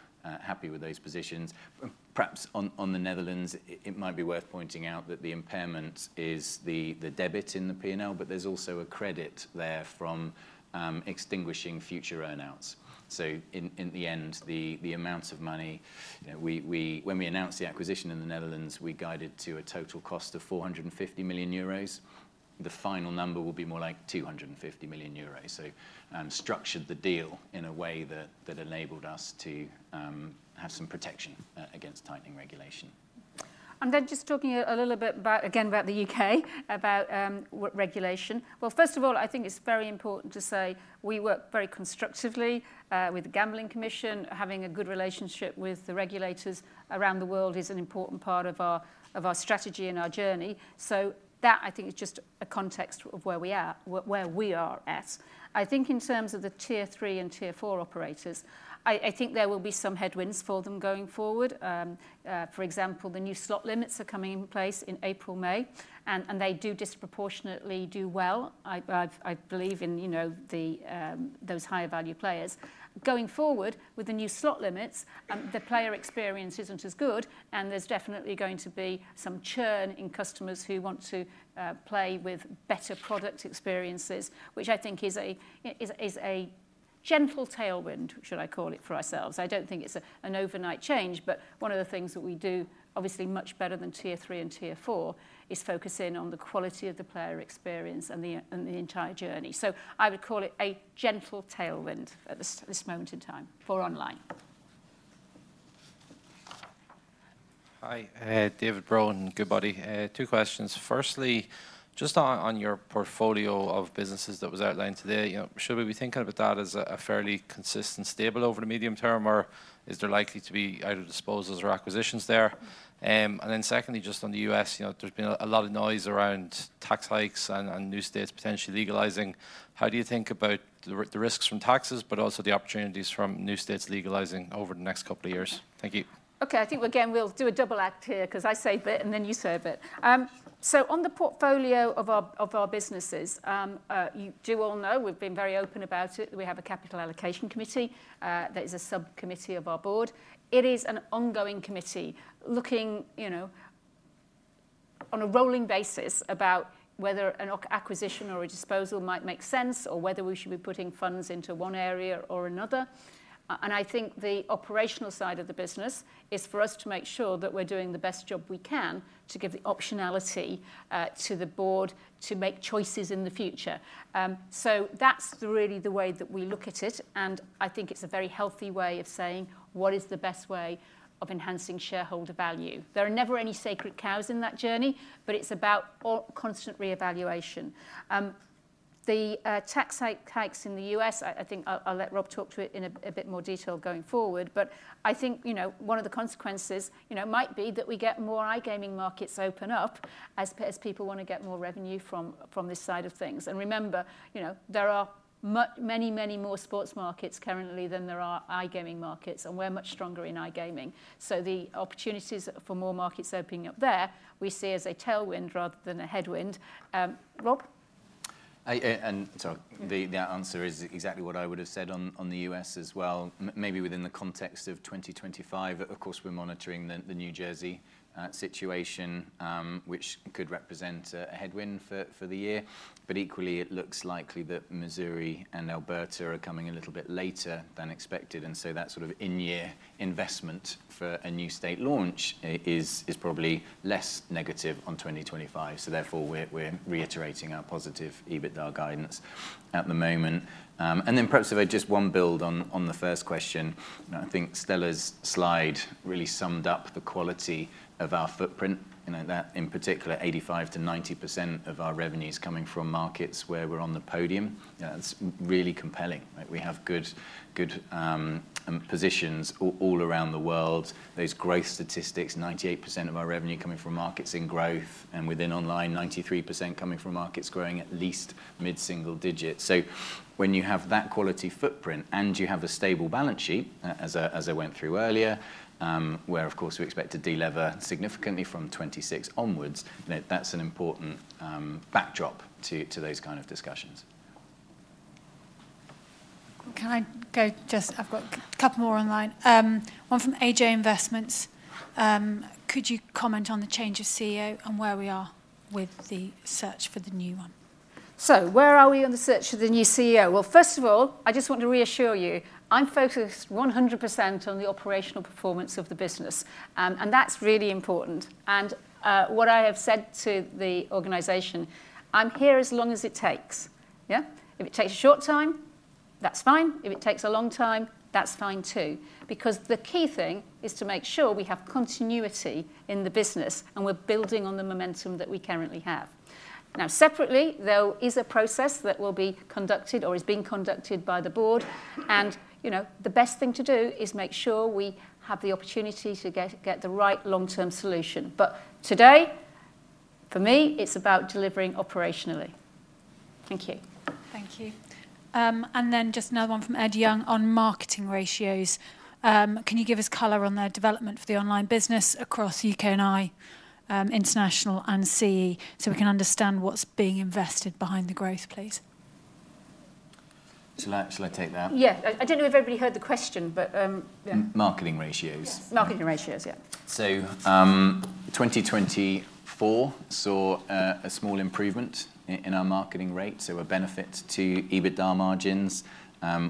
happy with those positions. Perhaps on the Netherlands, it might be worth pointing out that the impairment is the debit in the P&L, but there's also a credit there from extinguishing future earnouts. In the end, the amount of money, when we announced the acquisition in the Netherlands, we guided to a total cost of 450 million euros. The final number will be more like 250 million euros. We structured the deal in a way that enabled us to have some protection against tightening regulation. And then just talking a little bit again about the U.K., about regulation. First of all, I think it's very important to say we work very constructively with the Gambling Commission. Having a good relationship with the regulators around the world is an important part of our strategy and our journey. That I think is just a context of where we are at. I think in terms of the tier three and tier four operators, I think there will be some headwinds for them going forward. For example, the new slot limits are coming in place in April, May, and they do disproportionately do well, I believe, in those higher value players. Going forward with the new slot limits, the player experience isn't as good, and there's definitely going to be some churn in customers who want to play with better product experiences, which I think is a gentle tailwind, should I call it, for ourselves. I don't think it's an overnight change, but one of the things that we do, obviously much better than tier three and tier four, is focus in on the quality of the player experience and the entire journey. So, I would call it a gentle tailwind at this moment in time for online. Hi, David Brohan, Goodbody. Two questions. Firstly, just on your portfolio of businesses that was outlined today, should we be thinking about that as a fairly consistent stable over the medium term, or is there likely to be out of disposals or acquisitions there? And then secondly, just on the U.S., there's been a lot of noise around tax hikes and new states potentially legalizing. How do you think about the risks from taxes, but also the opportunities from new states legalizing over the next couple of years? Thank you. Okay, I think again we'll do a double act here because I say a bit and then you say a bit. So, on the portfolio of our businesses, you do all know we've been very open about it. We have a Capital Allocation Committee that is a subcommittee of our board. It is an ongoing committee looking on a rolling basis about whether an acquisition or a disposal might make sense, or whether we should be putting funds into one area or another. And I think the operational side of the business is for us to make sure that we're doing the best job we can to give the optionality to the board to make choices in the future. So, that's really the way that we look at it. And I think it's a very healthy way of saying what is the best way of enhancing shareholder value. There are never any sacred cows in that journey, but it's about constant reevaluation. The tax hikes in the U.S., I think I'll let Rob talk to it in a bit more detail going forward, but I think one of the consequences might be that we get more iGaming markets open up as people want to get more revenue from this side of things. And remember, there are many, many more sports markets currently than there are iGaming markets, and we're much stronger in iGaming. So, the opportunities for more markets opening up there, we see as a tailwind rather than a headwind. Rob? And sorry, the answer is exactly what I would have said on the U.S. as well, maybe within the context of 2025. Of course, we're monitoring the New Jersey situation, which could represent a headwind for the year. But equally, it looks likely that Missouri and Alberta are coming a little bit later than expected. And so, that sort of in-year investment for a new state launch is probably less negative on 2025. So, therefore, we're reiterating our positive EBITDA guidance at the moment. And then perhaps just one build on the first question. I think Stella's slide really summed up the quality of our footprint. In particular, 85%-90% of our revenue is coming from markets where we're on the podium. That's really compelling. We have good positions all around the world. Those growth statistics, 98% of our revenue coming from markets in growth, and within online, 93% coming from markets growing at least mid-single digits. So, when you have that quality footprint and you have a stable balance sheet, as I went through earlier, where of course we expect to delever significantly from 2026 onwards, that's an important backdrop to those kinds of discussions. CI've got a couple more online. One from AJ Investments. Could you comment on the change of CEO and where we are with the search for the new one? So, where are we on the search for the new CEO? Well, first of all, I just want to reassure you. I'm focused 100% on the operational performance of the business, and that's really important. What I have said to the organization is that I'm here as long as it takes. If it takes a short time, that's fine. If it takes a long time, that's fine too. Because the key thing is to make sure we have continuity in the business and we're building on the momentum that we currently have. Now, separately, there is a process that will be conducted or is being conducted by the board. And the best thing to do is make sure we have the opportunity to get the right long-term solution. But today, for me, it's about delivering operationally. Thank you. Thank you. And then just another one from Ed Young on marketing ratios. Can you give us color on the development for the online business across U.K. & I, international and CEE, so we can understand what's being invested behind the growth, please? Shall I take that? Yeah. I don't know if everybody heard the question, but... Marketing ratios. Marketing ratios, yeah. So, 2024 saw a small improvement in our marketing rate, so a benefit to EBITDA margins.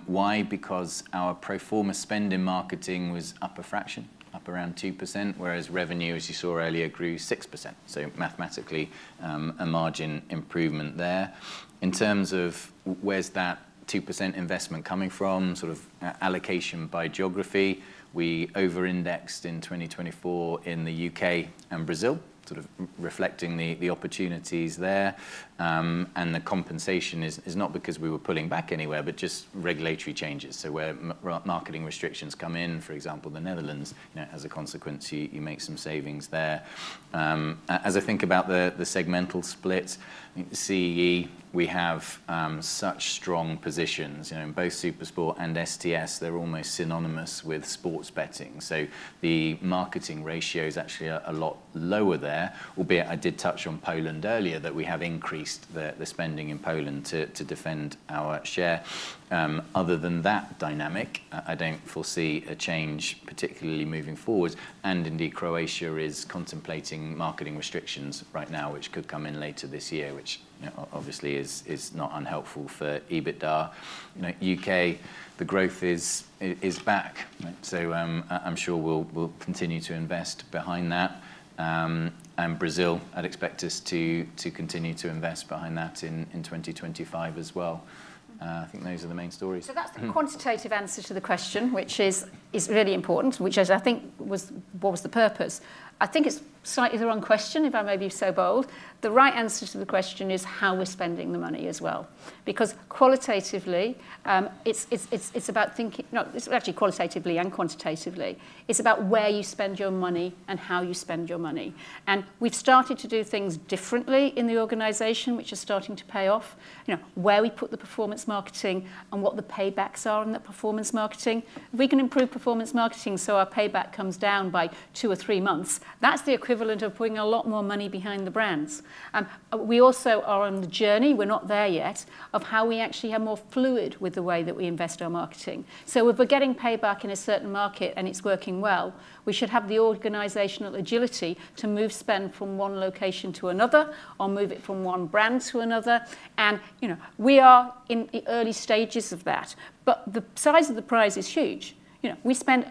Why? Because our pro forma spend in marketing was up a fraction, up around 2%, whereas revenue, as you saw earlier, grew 6%. So, mathematically, a margin improvement there. In terms of where's that 2% investment coming from, sort of allocation by geography, we over-indexed in 2024 in the U.K. and Brazil, sort of reflecting the opportunities there. And the compensation is not because we were pulling back anywhere, but just regulatory changes. So, where marketing restrictions come in, for example, the Netherlands, as a consequence, you make some savings there. As I think about the segmental split, CEE, we have such strong positions. In both SuperSport and STS, they're almost synonymous with sports betting. So, the marketing ratio is actually a lot lower there, albeit I did touch on Poland earlier that we have increased the spending in Poland to defend our share. Other than that dynamic, I don't foresee a change particularly moving forward. Indeed, Croatia is contemplating marketing restrictions right now, which could come in later this year, which obviously is not unhelpful for EBITDA. U.K., the growth is back. I'm sure we'll continue to invest behind that. Brazil, I'd expect us to continue to invest behind that in 2025 as well. I think those are the main stories. That's the quantitative answer to the question, which is really important, which I think was, what was the purpose? I think it's slightly the wrong question, if I may be so bold. The right answer to the question is how we're spending the money as well. Because qualitatively, it's about thinking, no, it's actually qualitatively and quantitatively. It's about where you spend your money and how you spend your money. We've started to do things differently in the organization, which is starting to pay off. Where we put the performance marketing and what the paybacks are in that performance marketing. If we can improve performance marketing so our payback comes down by two or three months, that's the equivalent of putting a lot more money behind the brands. We also are on the journey, we're not there yet, of how we actually have more fluid with the way that we invest our marketing, so if we're getting payback in a certain market and it's working well, we should have the organizational agility to move spend from one location to another or move it from one brand to another. And we are in the early stages of that, but the size of the prize is huge. We spend.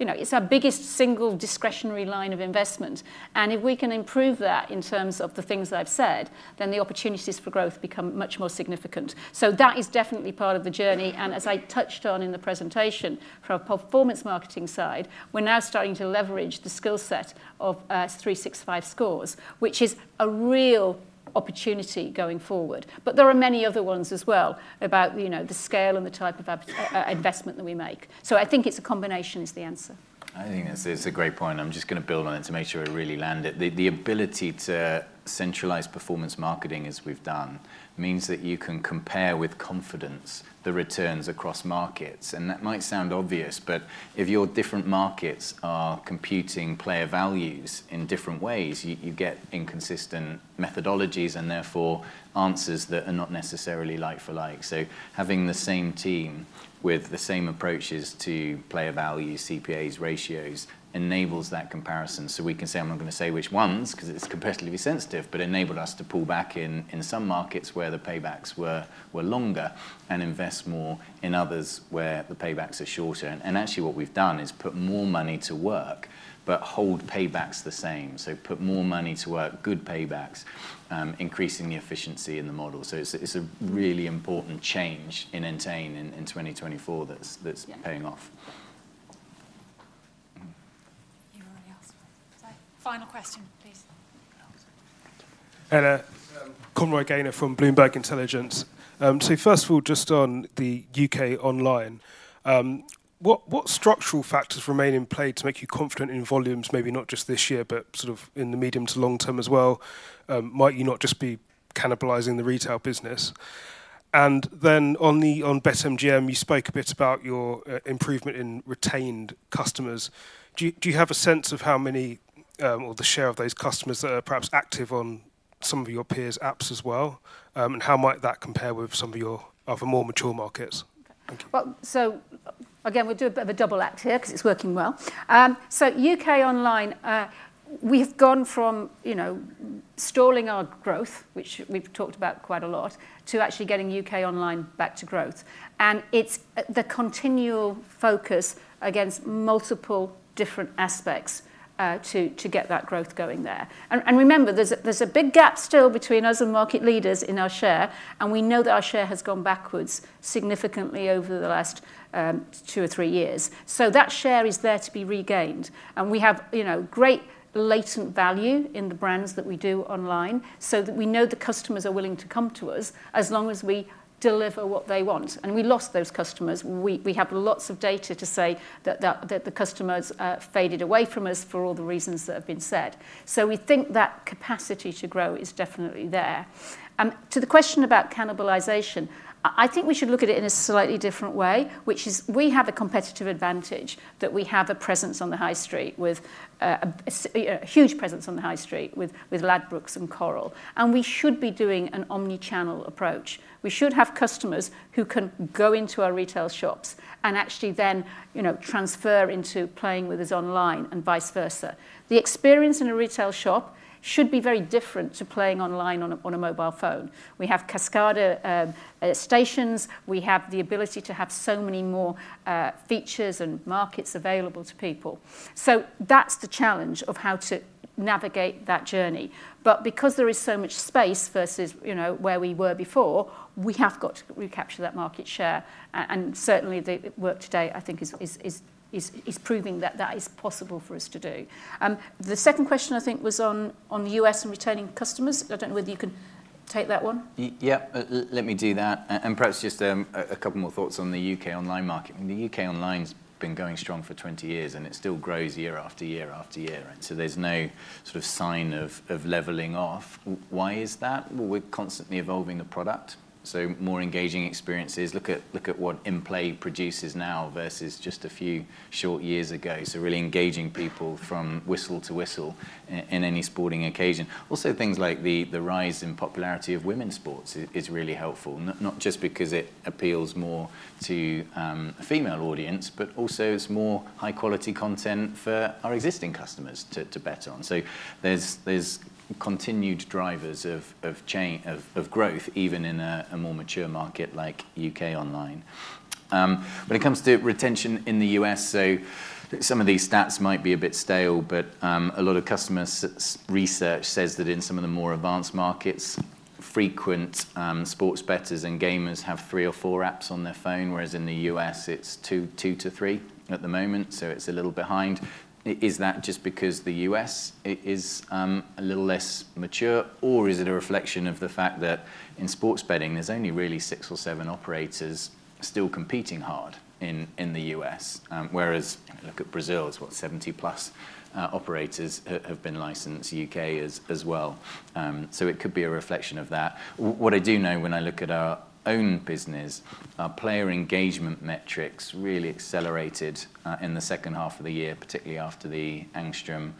It's our biggest single discretionary line of investment. If we can improve that in terms of the things I've said, then the opportunities for growth become much more significant. That is definitely part of the journey. As I touched on in the presentation, from a performance marketing side, we're now starting to leverage the skill set of 365Scores, which is a real opportunity going forward. But there are many other ones as well about the scale and the type of investment that we make. I think it's a combination is the answer. I think that's a great point. I'm just going to build on it to make sure I really land it. The ability to centralize performance marketing as we've done means that you can compare with confidence the returns across markets. That might sound obvious, but if your different markets are computing player values in different ways, you get inconsistent methodologies and therefore answers that are not necessarily like-for-like. So, having the same team with the same approaches to player values, CPAs, ratios enables that comparison. So, we can say, I'm not going to say which ones because it's commercially sensitive, but enabled us to pull back in some markets where the paybacks were longer and invest more in others where the paybacks are shorter. And actually what we've done is put more money to work, but hold paybacks the same. So, put more money to work, good paybacks, increasing the efficiency in the model. So, it's a really important change in Entain in 2024 that's paying off. Final question, please. Conroy Gaynor from Bloomberg Intelligence. So, first of all, just on the U.K. online, what structural factors remain in play to make you confident in volumes, maybe not just this year, but sort of in the medium to long-term as well? Might you not just be cannibalizing the retail business? And then on BetMGM, you spoke a bit about your improvement in retained customers. Do you have a sense of how many or the share of those customers that are perhaps active on some of your peers' apps as well? And how might that compare with some of your other more mature markets? Thank you. Well, so again, we'll do a bit of a double act here because it's working well. So, U.K. online, we've gone from stalling our growth, which we've talked about quite a lot, to actually getting U.K. online back to growth. It's the continual focus against multiple different aspects to get that growth going there. Remember, there's a big gap still between us and market leaders in our share. We know that our share has gone backward significantly over the last two or three years. That share is there to be regained. We have great latent value in the brands that we do online so that we know the customers are willing to come to us as long as we deliver what they want. We lost those customers. We have lots of data to say that the customers faded away from us for all the reasons that have been said. We think that capacity to grow is definitely there. To the question about cannibalization, I think we should look at it in a slightly different way, which is we have a competitive advantage that we have a presence on the high street with a huge presence on the high street with Ladbrokes and Coral, and we should be doing an omni-channel approach. We should have customers who can go into our retail shops and actually then transfer into playing with us online and vice versa. The experience in a retail shop should be very different to playing online on a mobile phone. We have Kascada stations. We have the ability to have so many more features and markets available to people. So, that's the challenge of how to navigate that journey, but because there is so much space versus where we were before, we have got to recapture that market share. Certainly, the work today, I think, is proving that that is possible for us to do. The second question, I think, was on the U.S. and returning customers. I don't know whether you can take that one. Yeah, let me do that. Perhaps just a couple more thoughts on the U.K. online market. The U.K. online has been going strong for 20 years, and it still grows year after year after year. There's no sort of sign of leveling off. Why is that? We're constantly evolving the product. More engaging experiences. Look at what in-play produces now versus just a few short years ago. Really engaging people from whistle to whistle in any sporting occasion. Also, things like the rise in popularity of women's sports is really helpful, not just because it appeals more to a female audience, but also it's more high-quality content for our existing customers to bet on. So, there's continued drivers of growth, even in a more mature market like U.K. online. When it comes to retention in the U.S., so some of these stats might be a bit stale, but a lot of customer research says that in some of the more advanced markets, frequent sports bettors and gamers have three or four apps on their phone, whereas in the U.S., it's two to three at the moment. So, it's a little behind. Is that just because the U.S. is a little less mature, or is it a reflection of the fact that in sports betting, there's only really six or seven operators still competing hard in the U.S.? Whereas look at Brazil, it's what, 70 plus operators have been licensed in the U.K. as well. So, it could be a reflection of that. What I do know when I look at our own business, our player engagement metrics really accelerated in the second half of the year, particularly after the Angstrom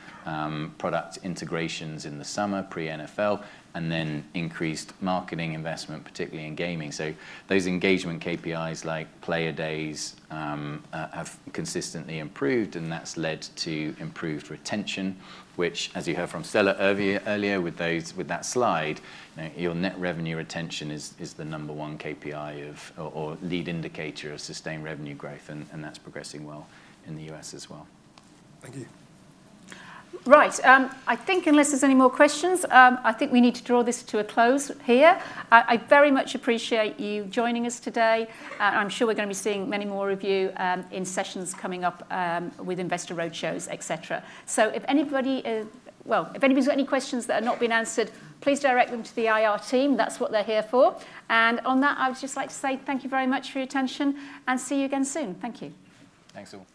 product integrations in the summer pre-NFL, and then increased marketing investment, particularly in gaming. So, those engagement KPIs like player days have consistently improved, and that's led to improved retention, which, as you heard from Stella earlier with that slide, your net revenue retention is the number one KPI or lead indicator of sustained revenue growth, and that's progressing well in the U.S. as well. Thank you. Right. I think unless there's any more questions, I think we need to draw this to a close here. I very much appreciate you joining us today. I'm sure we're going to be seeing many more of you in sessions coming up with investor roadshows, etc. So, well, if anybody's got any questions that have not been answered, please direct them to the IR team. That's what they're here for. And on that, I would just like to say thank you very much for your attention and see you again soon. Thank you. Thanks all.